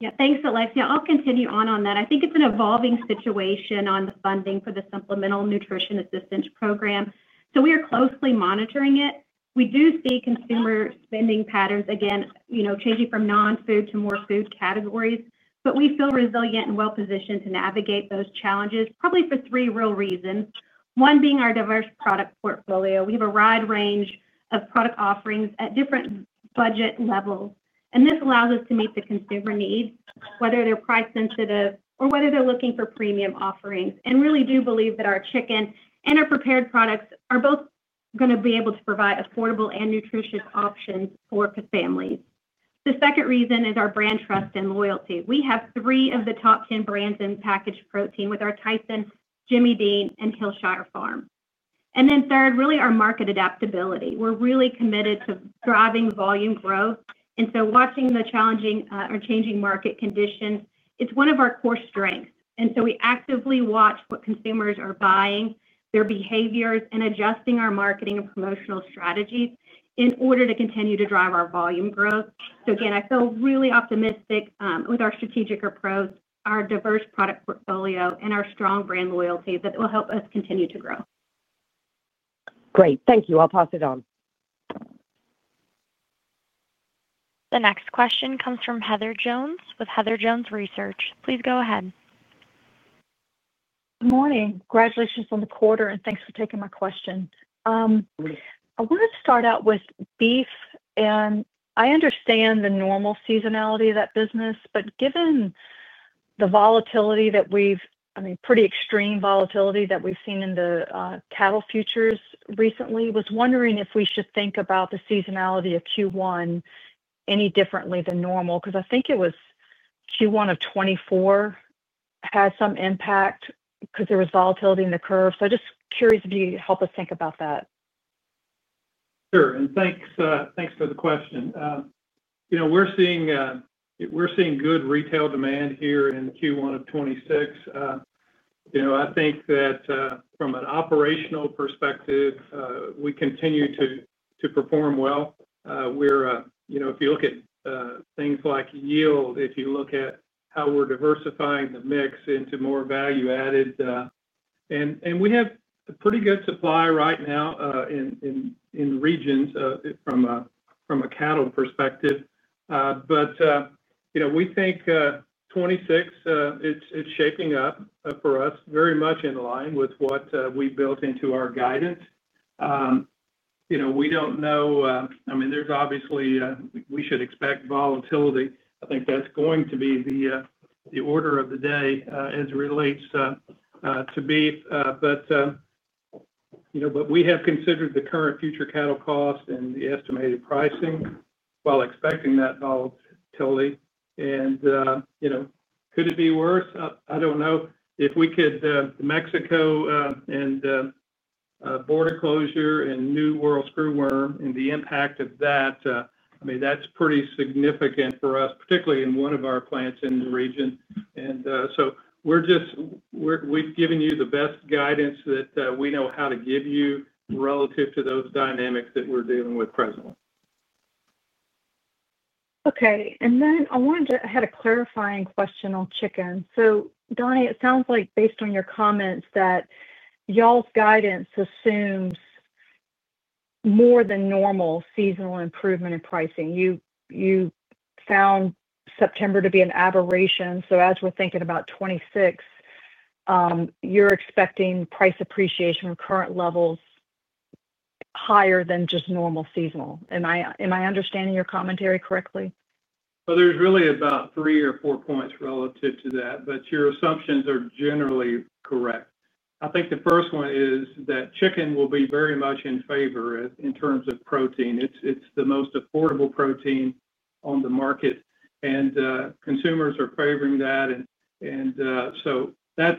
Yeah. Thanks, Alexia. I'll continue on that. I think it's an evolving situation on the funding for the Supplemental Nutrition Assistance Program. We are closely monitoring it. We do see consumer spending patterns, again, changing from non-food to more food categories, but we feel resilient and well-positioned to navigate those challenges probably for three real reasons. One being our diverse product portfolio. We have a wide range of product offerings at different budget levels, and this allows us to meet the consumer needs, whether they're price-sensitive or whether they're looking for premium offerings. I really do believe that our chicken and our prepared products are both going to be able to provide affordable and nutritious options for families. The second reason is our brand trust and loyalty. We have three of the top 10 brands in packaged protein with our Tyson, Jimmy Dean, and Hillshire Farm. Third, really our market adaptability. We're really committed to driving volume growth. Watching the challenging or changing market conditions, it's one of our core strengths. We actively watch what consumers are buying, their behaviors, and adjusting our marketing and promotional strategies in order to continue to drive our volume growth. Again, I feel really optimistic with our strategic approach, our diverse product portfolio, and our strong brand loyalty that will help us continue to grow. Great. Thank you. I'll pass it on. The next question comes from Heather Jones with Heather Jones Research. Please go ahead. Good morning. Congratulations on the quarter, and thanks for taking my question. I want to start out with beef, and I understand the normal seasonality of that business, but given the volatility that we've—I mean, pretty extreme volatility that we've seen in the cattle futures recently—was wondering if we should think about the seasonality of Q1 any differently than normal because I think it was Q1 of 2024 had some impact because there was volatility in the curve. So I'm just curious if you help us think about that. Sure. Thanks for the question. We are seeing good retail demand here in Q1 of 2026. I think that from an operational perspective, we continue to perform well. If you look at things like yield, if you look at how we are diversifying the mix into more value-added, and we have a pretty good supply right now in regions from a cattle perspective. We think 2026 is shaping up for us very much in line with what we built into our guidance. We do not know—I mean, there is obviously—we should expect volatility. I think that is going to be the order of the day as it relates to beef. We have considered the current future cattle cost and the estimated pricing while expecting that volatility. Could it be worse? I do not know. If we could—Mexico and border closure and New World Screwworm and the impact of that, I mean, that's pretty significant for us, particularly in one of our plants in the region. We have given you the best guidance that we know how to give you relative to those dynamics that we're dealing with presently. Okay. I had a clarifying question on chicken. Donnie, it sounds like based on your comments that y'all's guidance assumes more than normal seasonal improvement in pricing. You found September to be an aberration. As we're thinking about 2026, you're expecting price appreciation from current levels higher than just normal seasonal. Am I understanding your commentary correctly? There is really about three or four points relative to that, but your assumptions are generally correct. I think the first one is that chicken will be very much in favor in terms of protein. It is the most affordable protein on the market, and consumers are favoring that. That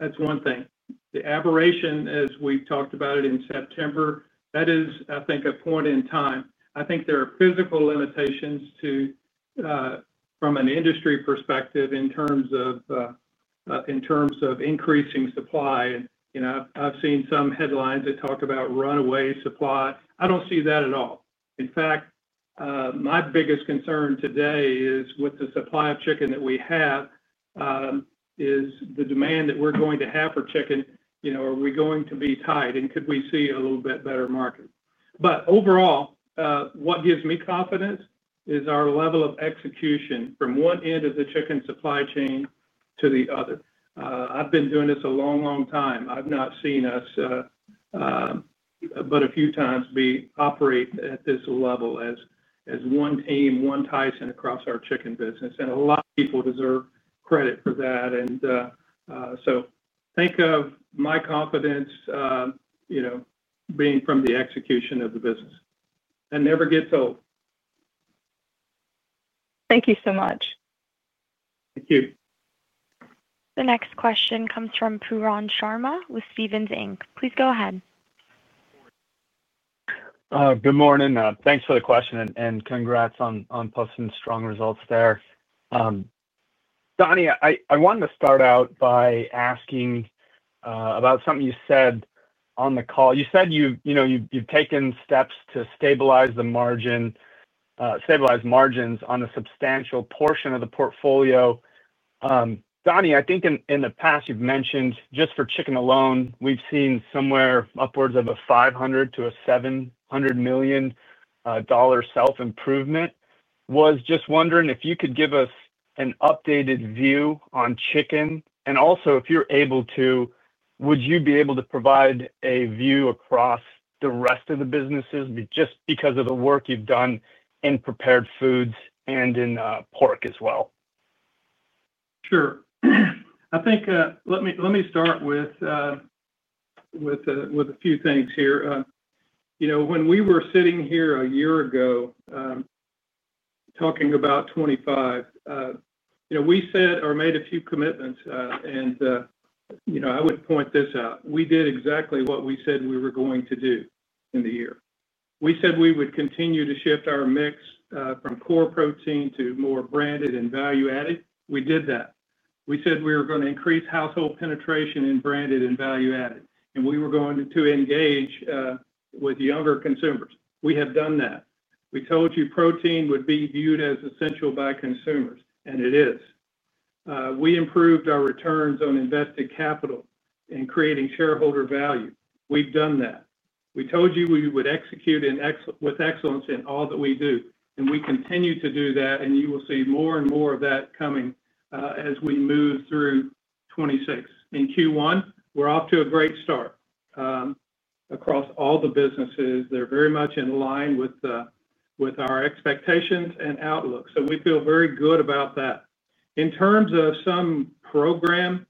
is one thing. The aberration, as we have talked about it in September, that is, I think, a point in time. I think there are physical limitations from an industry perspective in terms of increasing supply. I have seen some headlines that talk about runaway supply. I do not see that at all. In fact, my biggest concern today is with the supply of chicken that we have is the demand that we are going to have for chicken. Are we going to be tight? Could we see a little bit better market? Overall, what gives me confidence is our level of execution from one end of the chicken supply chain to the other. I've been doing this a long, long time. I've not seen us but a few times operate at this level as one team, one Tyson across our chicken business. A lot of people deserve credit for that. Think of my confidence being from the execution of the business. That never gets old. Thank you so much. Thank you. The next question comes from Puran Sharma with Stephens. Please go ahead. Good morning. Thanks for the question, and congrats on posting strong results there. Donnie, I wanted to start out by asking about something you said on the call. You said you've taken steps to stabilize the margins on a substantial portion of the portfolio. Donnie, I think in the past, you've mentioned just for chicken alone, we've seen somewhere upwards of a $500 million to a $700 million self-improvement. Was just wondering if you could give us an updated view on chicken. Also, if you're able to, would you be able to provide a view across the rest of the businesses just because of the work you've done in prepared foods and in pork as well? Sure. I think let me start with a few things here. When we were sitting here a year ago talking about 2025, we said or made a few commitments. I would point this out. We did exactly what we said we were going to do in the year. We said we would continue to shift our mix from core protein to more branded and value-added. We did that. We said we were going to increase household penetration in branded and value-added, and we were going to engage with younger consumers. We have done that. We told you protein would be viewed as essential by consumers, and it is. We improved our returns on invested capital in creating shareholder value. We've done that. We told you we would execute with excellence in all that we do, and we continue to do that, and you will see more and more of that coming as we move through 2026. In Q1, we're off to a great start across all the businesses. They're very much in line with our expectations and outlook. We feel very good about that. In terms of some program,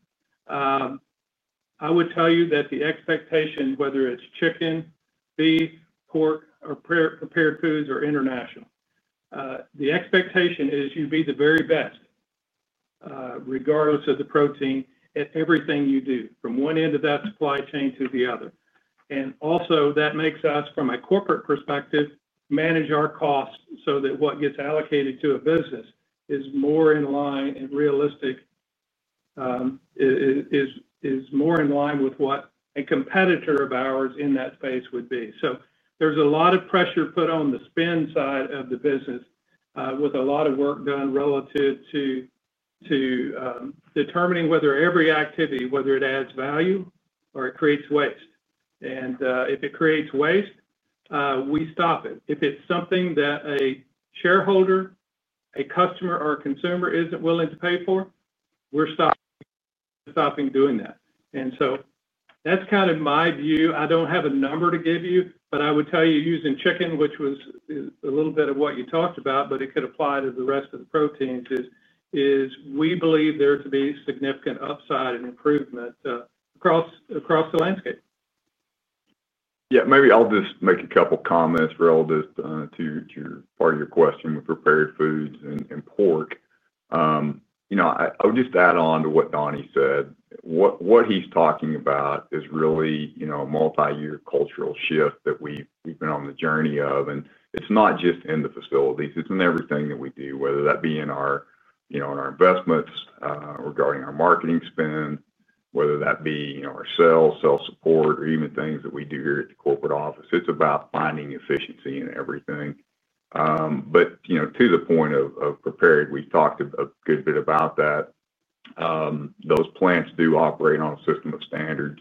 I would tell you that the expectation, whether it's chicken, beef, pork, or prepared foods, or international, the expectation is you be the very best regardless of the protein at everything you do from one end of that supply chain to the other. That makes us, from a corporate perspective, manage our costs so that what gets allocated to a business is more in line and realistic, is more in line with what a competitor of ours in that space would be. There is a lot of pressure put on the spend side of the business with a lot of work done relative to determining whether every activity, whether it adds value or it creates waste. If it creates waste, we stop it. If it is something that a shareholder, a customer, or a consumer is not willing to pay for, we are stopping doing that. That is kind of my view. I don't have a number to give you, but I would tell you using chicken, which was a little bit of what you talked about, but it could apply to the rest of the proteins, is we believe there to be significant upside and improvement across the landscape. Yeah. Maybe I'll just make a couple of comments relative to part of your question with prepared foods and pork. I would just add on to what Donnie said. What he's talking about is really a multi-year cultural shift that we've been on the journey of. It's not just in the facilities. It's in everything that we do, whether that be in our investments regarding our marketing spend, whether that be our sales, sales support, or even things that we do here at the corporate office. It's about finding efficiency in everything. To the point of prepared, we talked a good bit about that. Those plants do operate on a system of standards.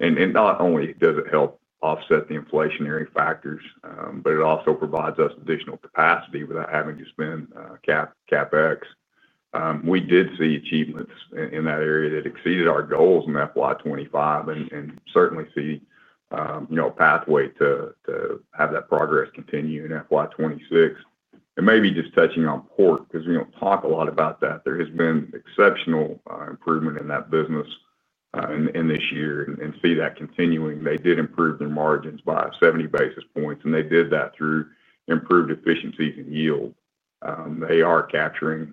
Not only does it help offset the inflationary factors, it also provides us additional capacity without having to spend CAPEX. We did see achievements in that area that exceeded our goals in FY 2025 and certainly see a pathway to have that progress continue in FY 2026. Maybe just touching on pork because we do not talk a lot about that. There has been exceptional improvement in that business in this year and see that continuing. They did improve their margins by 70 basis points, and they did that through improved efficiencies and yield. They are capturing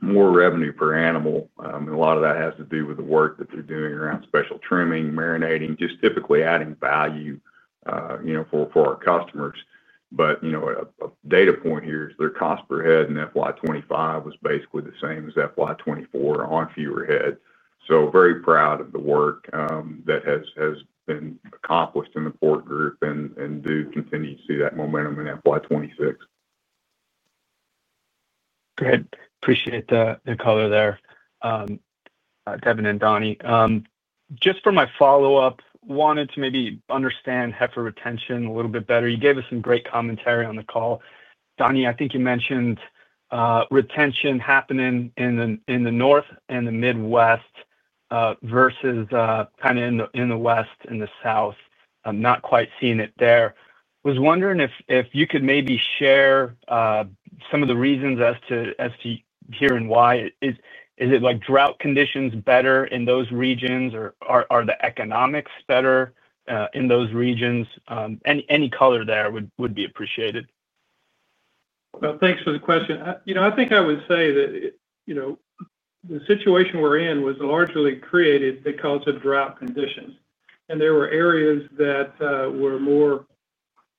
more revenue per animal. A lot of that has to do with the work that they are doing around special trimming, marinating, just typically adding value for our customers. A data point here is their cost per head in FY 2025 was basically the same as FY 2024 on fewer head. Very proud of the work that has been accomplished in the pork group and do continue to see that momentum in FY 2026. Good. Appreciate the color there, Devin and Donnie. Just for my follow-up, wanted to maybe Heifer Retention a little bit better. You gave us some great commentary on the call. Donnie, I think you mentioned retention happening in the north and the Midwest versus kind of in the west and the south. I'm not quite seeing it there. I was wondering if you could maybe share some of the reasons as to hearing why. Is it like drought conditions better in those regions, or are the economics better in those regions? Any color there would be appreciated. Thanks for the question. I think I would say that the situation we're in was largely created because of drought conditions. There were areas that were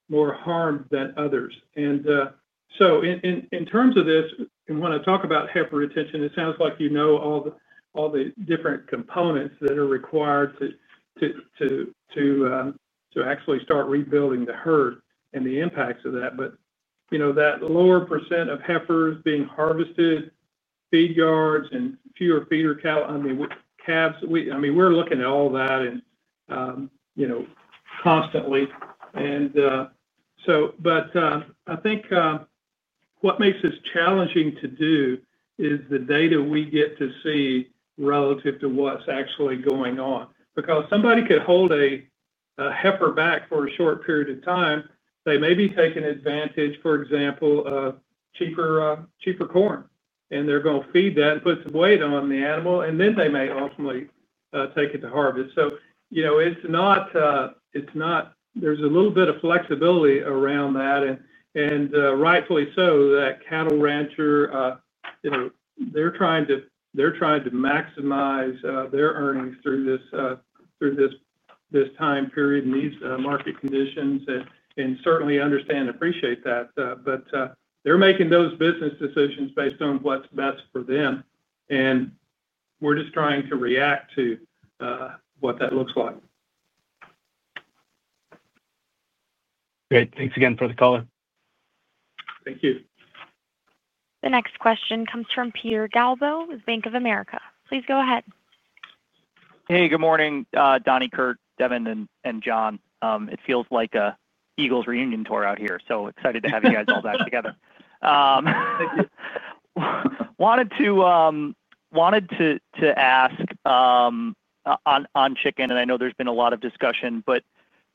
more harmed than others. In terms of this, when I talk Heifer Retention, it sounds like you know all the different components that are required to actually start rebuilding the herd and the impacts of that. That lower percentage of heifers being harvested, feed yards, and fewer feeder cows, I mean, we're looking at all that constantly. I think what makes it challenging to do is the data we get to see relative to what's actually going on. Somebody could hold a heifer back for a short period of time. They may be taking advantage, for example, of cheaper corn. They are going to feed that and put some weight on the animal, and then they may ultimately take it to harvest. There is a little bit of flexibility around that. Rightfully so, that cattle rancher is trying to maximize their earnings through this time period and these market conditions and certainly understand and appreciate that. They are making those business decisions based on what is best for them. We are just trying to react to what that looks like. Great. Thanks again for the call. Thank you. The next question comes from Peter Galbo with Bank of America. Please go ahead. Hey, good morning, Donnie, Kurt, Devin, and John. It feels like an Eagles reunion tour out here. So excited to have you guys all back together. Wanted to ask on chicken, and I know there's been a lot of discussion, but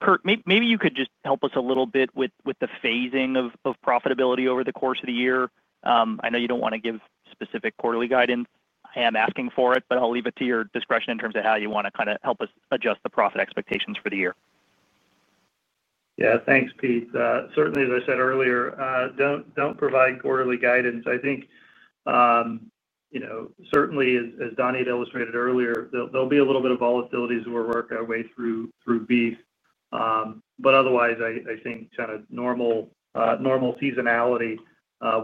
Kurt, maybe you could just help us a little bit with the phasing of profitability over the course of the year. I know you don't want to give specific quarterly guidance. I am asking for it, but I'll leave it to your discretion in terms of how you want to kind of help us adjust the profit expectations for the year. Yeah. Thanks, Pete. Certainly, as I said earlier, do not provide quarterly guidance. I think certainly, as Donnie had illustrated earlier, there will be a little bit of volatility as we work our way through beef. Otherwise, I think kind of normal seasonality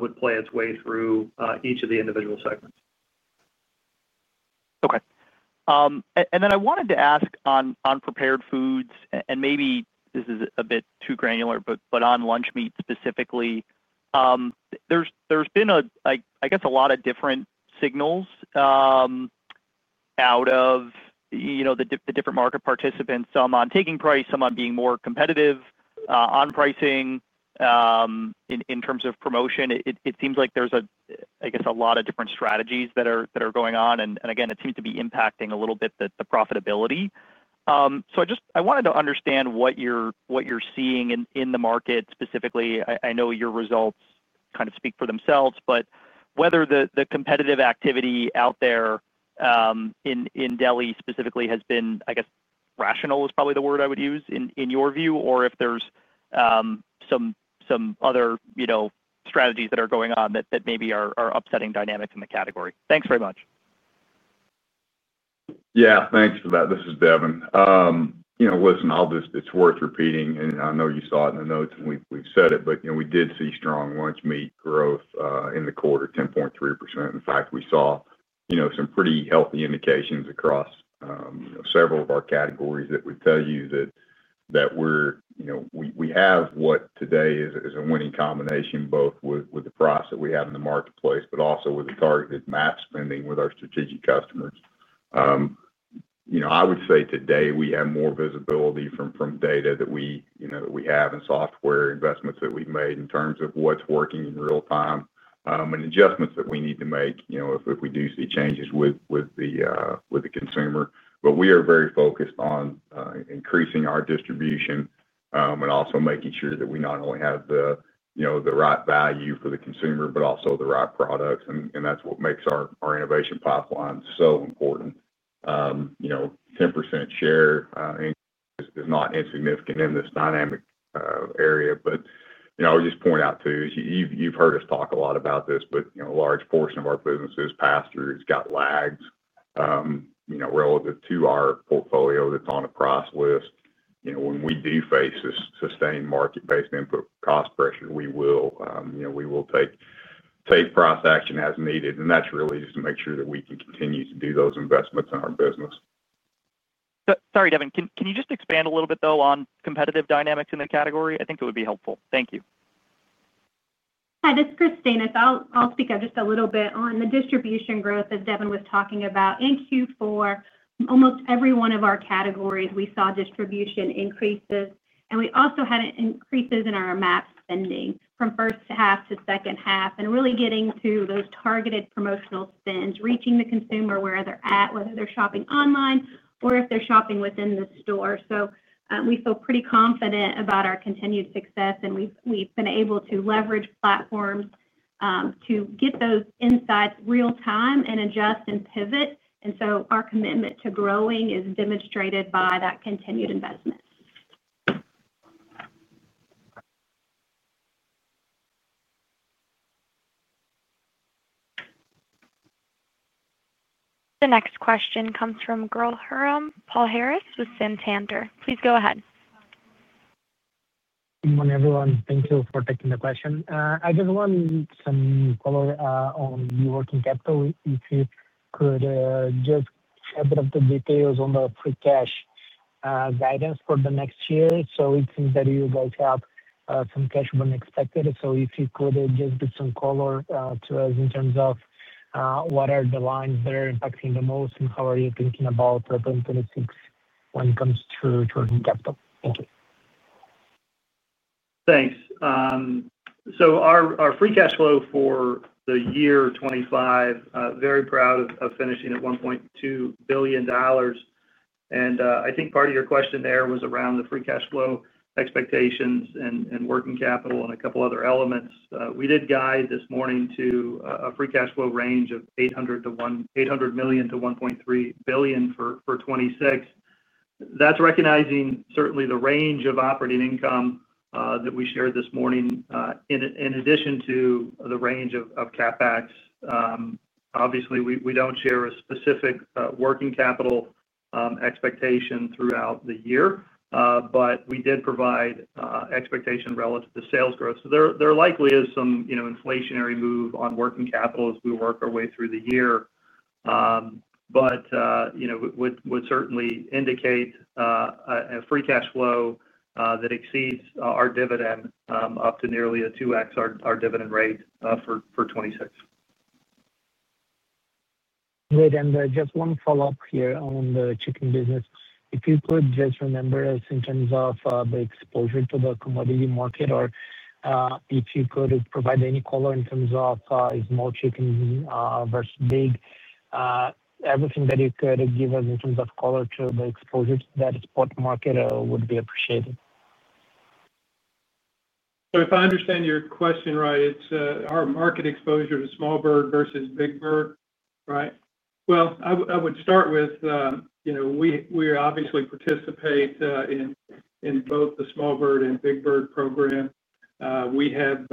would play its way through each of the individual segments. Okay. I wanted to ask on prepared foods, and maybe this is a bit too granular, but on lunch meat specifically, there's been, I guess, a lot of different signals out of the different market participants. Some on taking price, some on being more competitive. On pricing, in terms of promotion, it seems like there's, I guess, a lot of different strategies that are going on. It seems to be impacting a little bit the profitability. I wanted to understand what you're seeing in the market specifically. I know your results kind of speak for themselves, but whether the competitive activity out there in deli specifically has been, I guess, rational is probably the word I would use in your view, or if there's some other strategies that are going on that maybe are upsetting dynamics in the category. Thanks very much. Yeah. Thanks for that. This is Devin. Listen, it's worth repeating, and I know you saw it in the notes and we've said it, but we did see strong lunch meat growth in the quarter, 10.3%. In fact, we saw some pretty healthy indications across several of our categories that would tell you that we have what today is a winning combination both with the price that we have in the marketplace, but also with the targeted match spending with our strategic customers. I would say today we have more visibility from data that we have in software investments that we've made in terms of what's working in real time and adjustments that we need to make if we do see changes with the consumer. We are very focused on increasing our distribution and also making sure that we not only have the right value for the consumer, but also the right products. That is what makes our innovation pipeline so important. 10% share is not insignificant in this dynamic area. I would just point out too, you have heard us talk a lot about this, but a large portion of our business's pastures got lags relative to our portfolio that is on a price list. When we do face this sustained market-based input cost pressure, we will take price action as needed. That is really just to make sure that we can continue to do those investments in our business. Sorry, Devin. Can you just expand a little bit, though, on competitive dynamics in the category? I think it would be helpful. Thank you. Hi, this is Kristina. I'll speak up just a little bit on the distribution growth that Devin was talking about. In Q4, almost every one of our categories, we saw distribution increases. We also had increases in our match spending from first half to second half and really getting to those targeted promotional spends, reaching the consumer where they're at, whether they're shopping online or if they're shopping within the store. We feel pretty confident about our continued success, and we've been able to leverage platforms to get those insights real time and adjust and pivot. Our commitment to growing is demonstrated by that continued investment. The next question comes from Guilherme Palhares with Santander. Please go ahead. Good morning, everyone. Thank you for taking the question. I just want some follow-up on your working capital. If you could just share a bit of the details on the free cash guidance for the next year. It seems that you guys have some cash when expected. If you could just give some color to us in terms of what are the lines that are impacting the most and how are you thinking about 2026 when it comes to working capital. Thank you. Thanks. Our free cash flow for the year 2025, very proud of finishing at $1.2 billion. I think part of your question there was around the free cash flow expectations and working capital and a couple of other elements. We did guide this morning to a free cash flow range of $800 million-$1.3 billion for 2026. That is recognizing certainly the range of operating income that we shared this morning in addition to the range of CapEx. Obviously, we do not share a specific working capital expectation throughout the year, but we did provide expectation relative to sales growth. There likely is some inflationary move on working capital as we work our way through the year. It would certainly indicate a free cash flow that exceeds our dividend up to nearly 2x our dividend rate for 2026. Great. Just one follow-up here on the chicken business. If you could just remember us in terms of the exposure to the commodity market, or if you could provide any color in terms of small chickens versus big, everything that you could give us in terms of color to the exposure to that spot market would be appreciated. If I understand your question right, it's our market exposure to small bird versus big bird, right? I would start with we obviously participate in both the small bird and big bird program. We have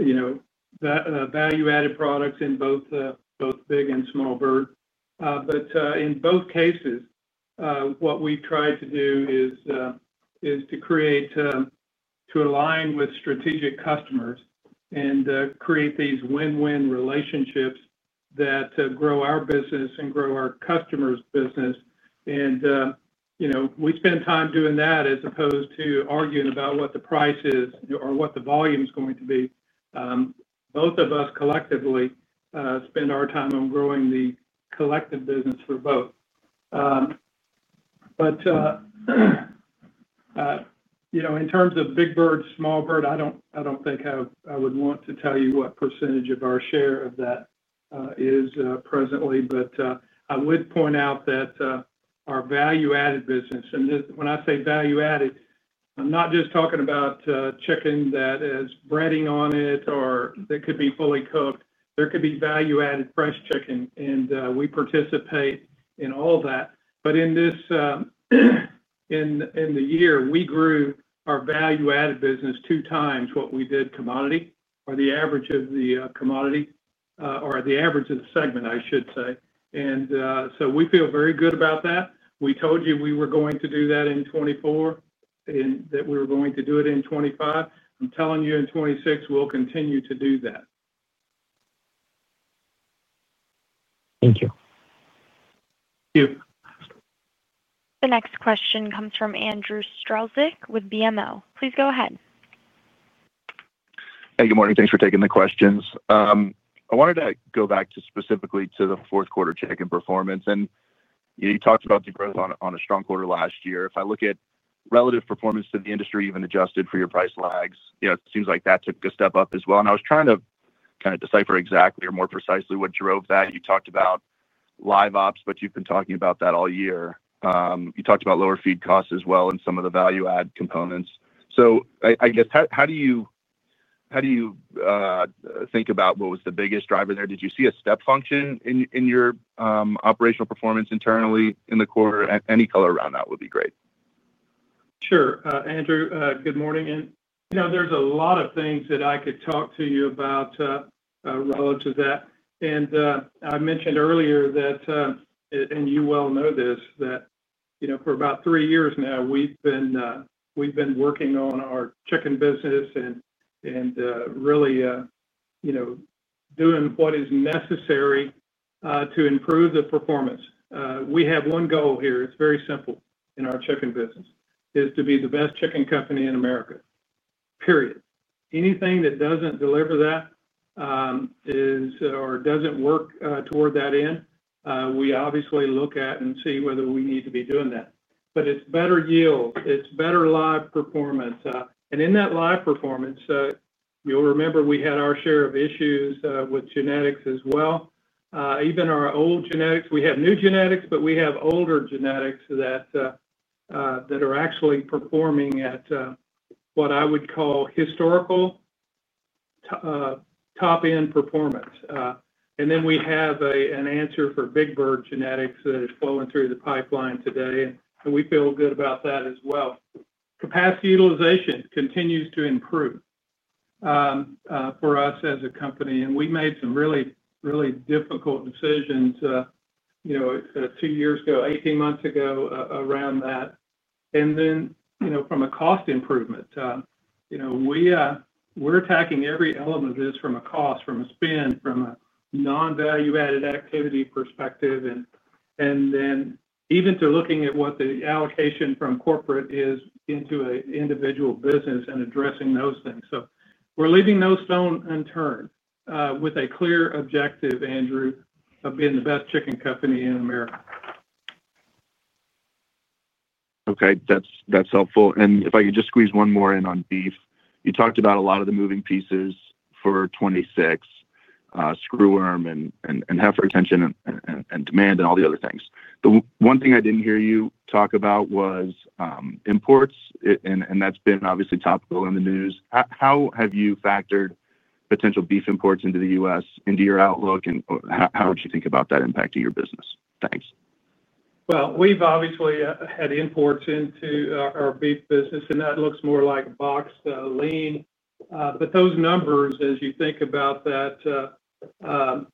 value-added products in both big and small bird. In both cases, what we've tried to do is to align with strategic customers and create these win-win relationships that grow our business and grow our customers' business. We spend time doing that as opposed to arguing about what the price is or what the volume is going to be. Both of us collectively spend our time on growing the collective business for both. In terms of big bird, small bird, I don't think I would want to tell you what percentage of our share of that is presently. I would point out that our value-added business, and when I say value-added, I'm not just talking about chicken that has breading on it or that could be fully cooked. There could be value-added fresh chicken, and we participate in all that. In the year, we grew our value-added business two times what we did commodity or the average of the commodity or the average of the segment, I should say. We feel very good about that. We told you we were going to do that in 2024 and that we were going to do it in 2025. I'm telling you in 2026, we'll continue to do that. Thank you. Thank you. The next question comes from Andrew Strelzik with BMO. Please go ahead. Hey, good morning. Thanks for taking the questions. I wanted to go back specifically to the fourth quarter chicken performance. You talked about the growth on a strong quarter last year. If I look at relative performance to the industry, even adjusted for your price lags, it seems like that took a step up as well. I was trying to kind of decipher exactly or more precisely what drove that. You talked about live ops, but you've been talking about that all year. You talked about lower feed costs as well and some of the value-add components. I guess, how do you think about what was the biggest driver there? Did you see a step function in your operational performance internally in the quarter? Any color around that would be great. Sure. Andrew, good morning. There are a lot of things that I could talk to you about relative to that. I mentioned earlier that, and you well know this, that for about three years now, we have been working on our chicken business and really doing what is necessary to improve the performance. We have one goal here. It is very simple in our chicken business: to be the best chicken company in America. Period. Anything that does not deliver that or does not work toward that end, we obviously look at and see whether we need to be doing that. It is better yield. It is better live performance. In that live performance, you will remember we had our share of issues with genetics as well. Even our old genetics, we have new genetics, but we have older genetics that are actually performing at what I would call historical top-end performance. We have an answer for big bird genetics that is flowing through the pipeline today. We feel good about that as well. Capacity utilization continues to improve for us as a company. We made some really, really difficult decisions two years ago, 18 months ago around that. From a cost improvement, we're attacking every element of this from a cost, from a spend, from a non-value-added activity perspective, and even to looking at what the allocation from corporate is into an individual business and addressing those things. We're leaving no stone unturned with a clear objective, Andrew, of being the best chicken company in America. Okay. That's helpful. If I could just squeeze one more in on beef. You talked about a lot of the moving pieces for 2026: New World Screwworm Heifer Retention and demand and all the other things. The one thing I did not hear you talk about was imports, and that's been obviously topical in the news. How have you factored potential beef imports into the U.S. into your outlook, and how would you think about that impacting your business? Thanks. We've obviously had imports into our beef business, and that looks more like box lean. Those numbers, as you think about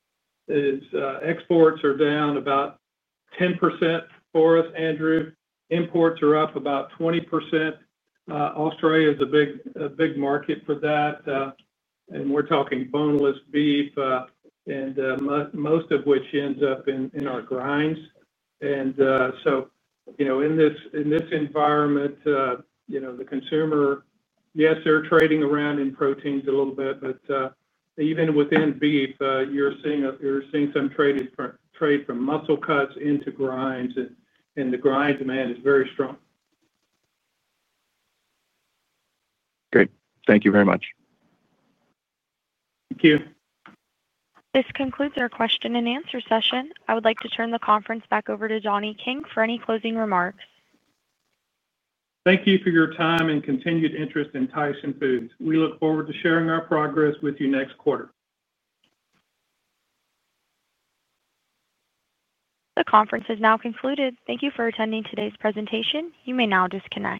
that, is exports are down about 10% for us, Andrew. Imports are up about 20%. Australia is a big market for that. We're talking boneless beef, most of which ends up in our grinds. In this environment, the consumer, yes, they're trading around in proteins a little bit, but even within beef, you're seeing some trade from muscle cuts into grinds, and the grind demand is very strong. Great. Thank you very much. Thank you. This concludes our question and answer session. I would like to turn the conference back over to Donnie King for any closing remarks. Thank you for your time and continued interest in Tyson Foods. We look forward to sharing our progress with you next quarter. The conference is now concluded. Thank you for attending today's presentation. You may now disconnect.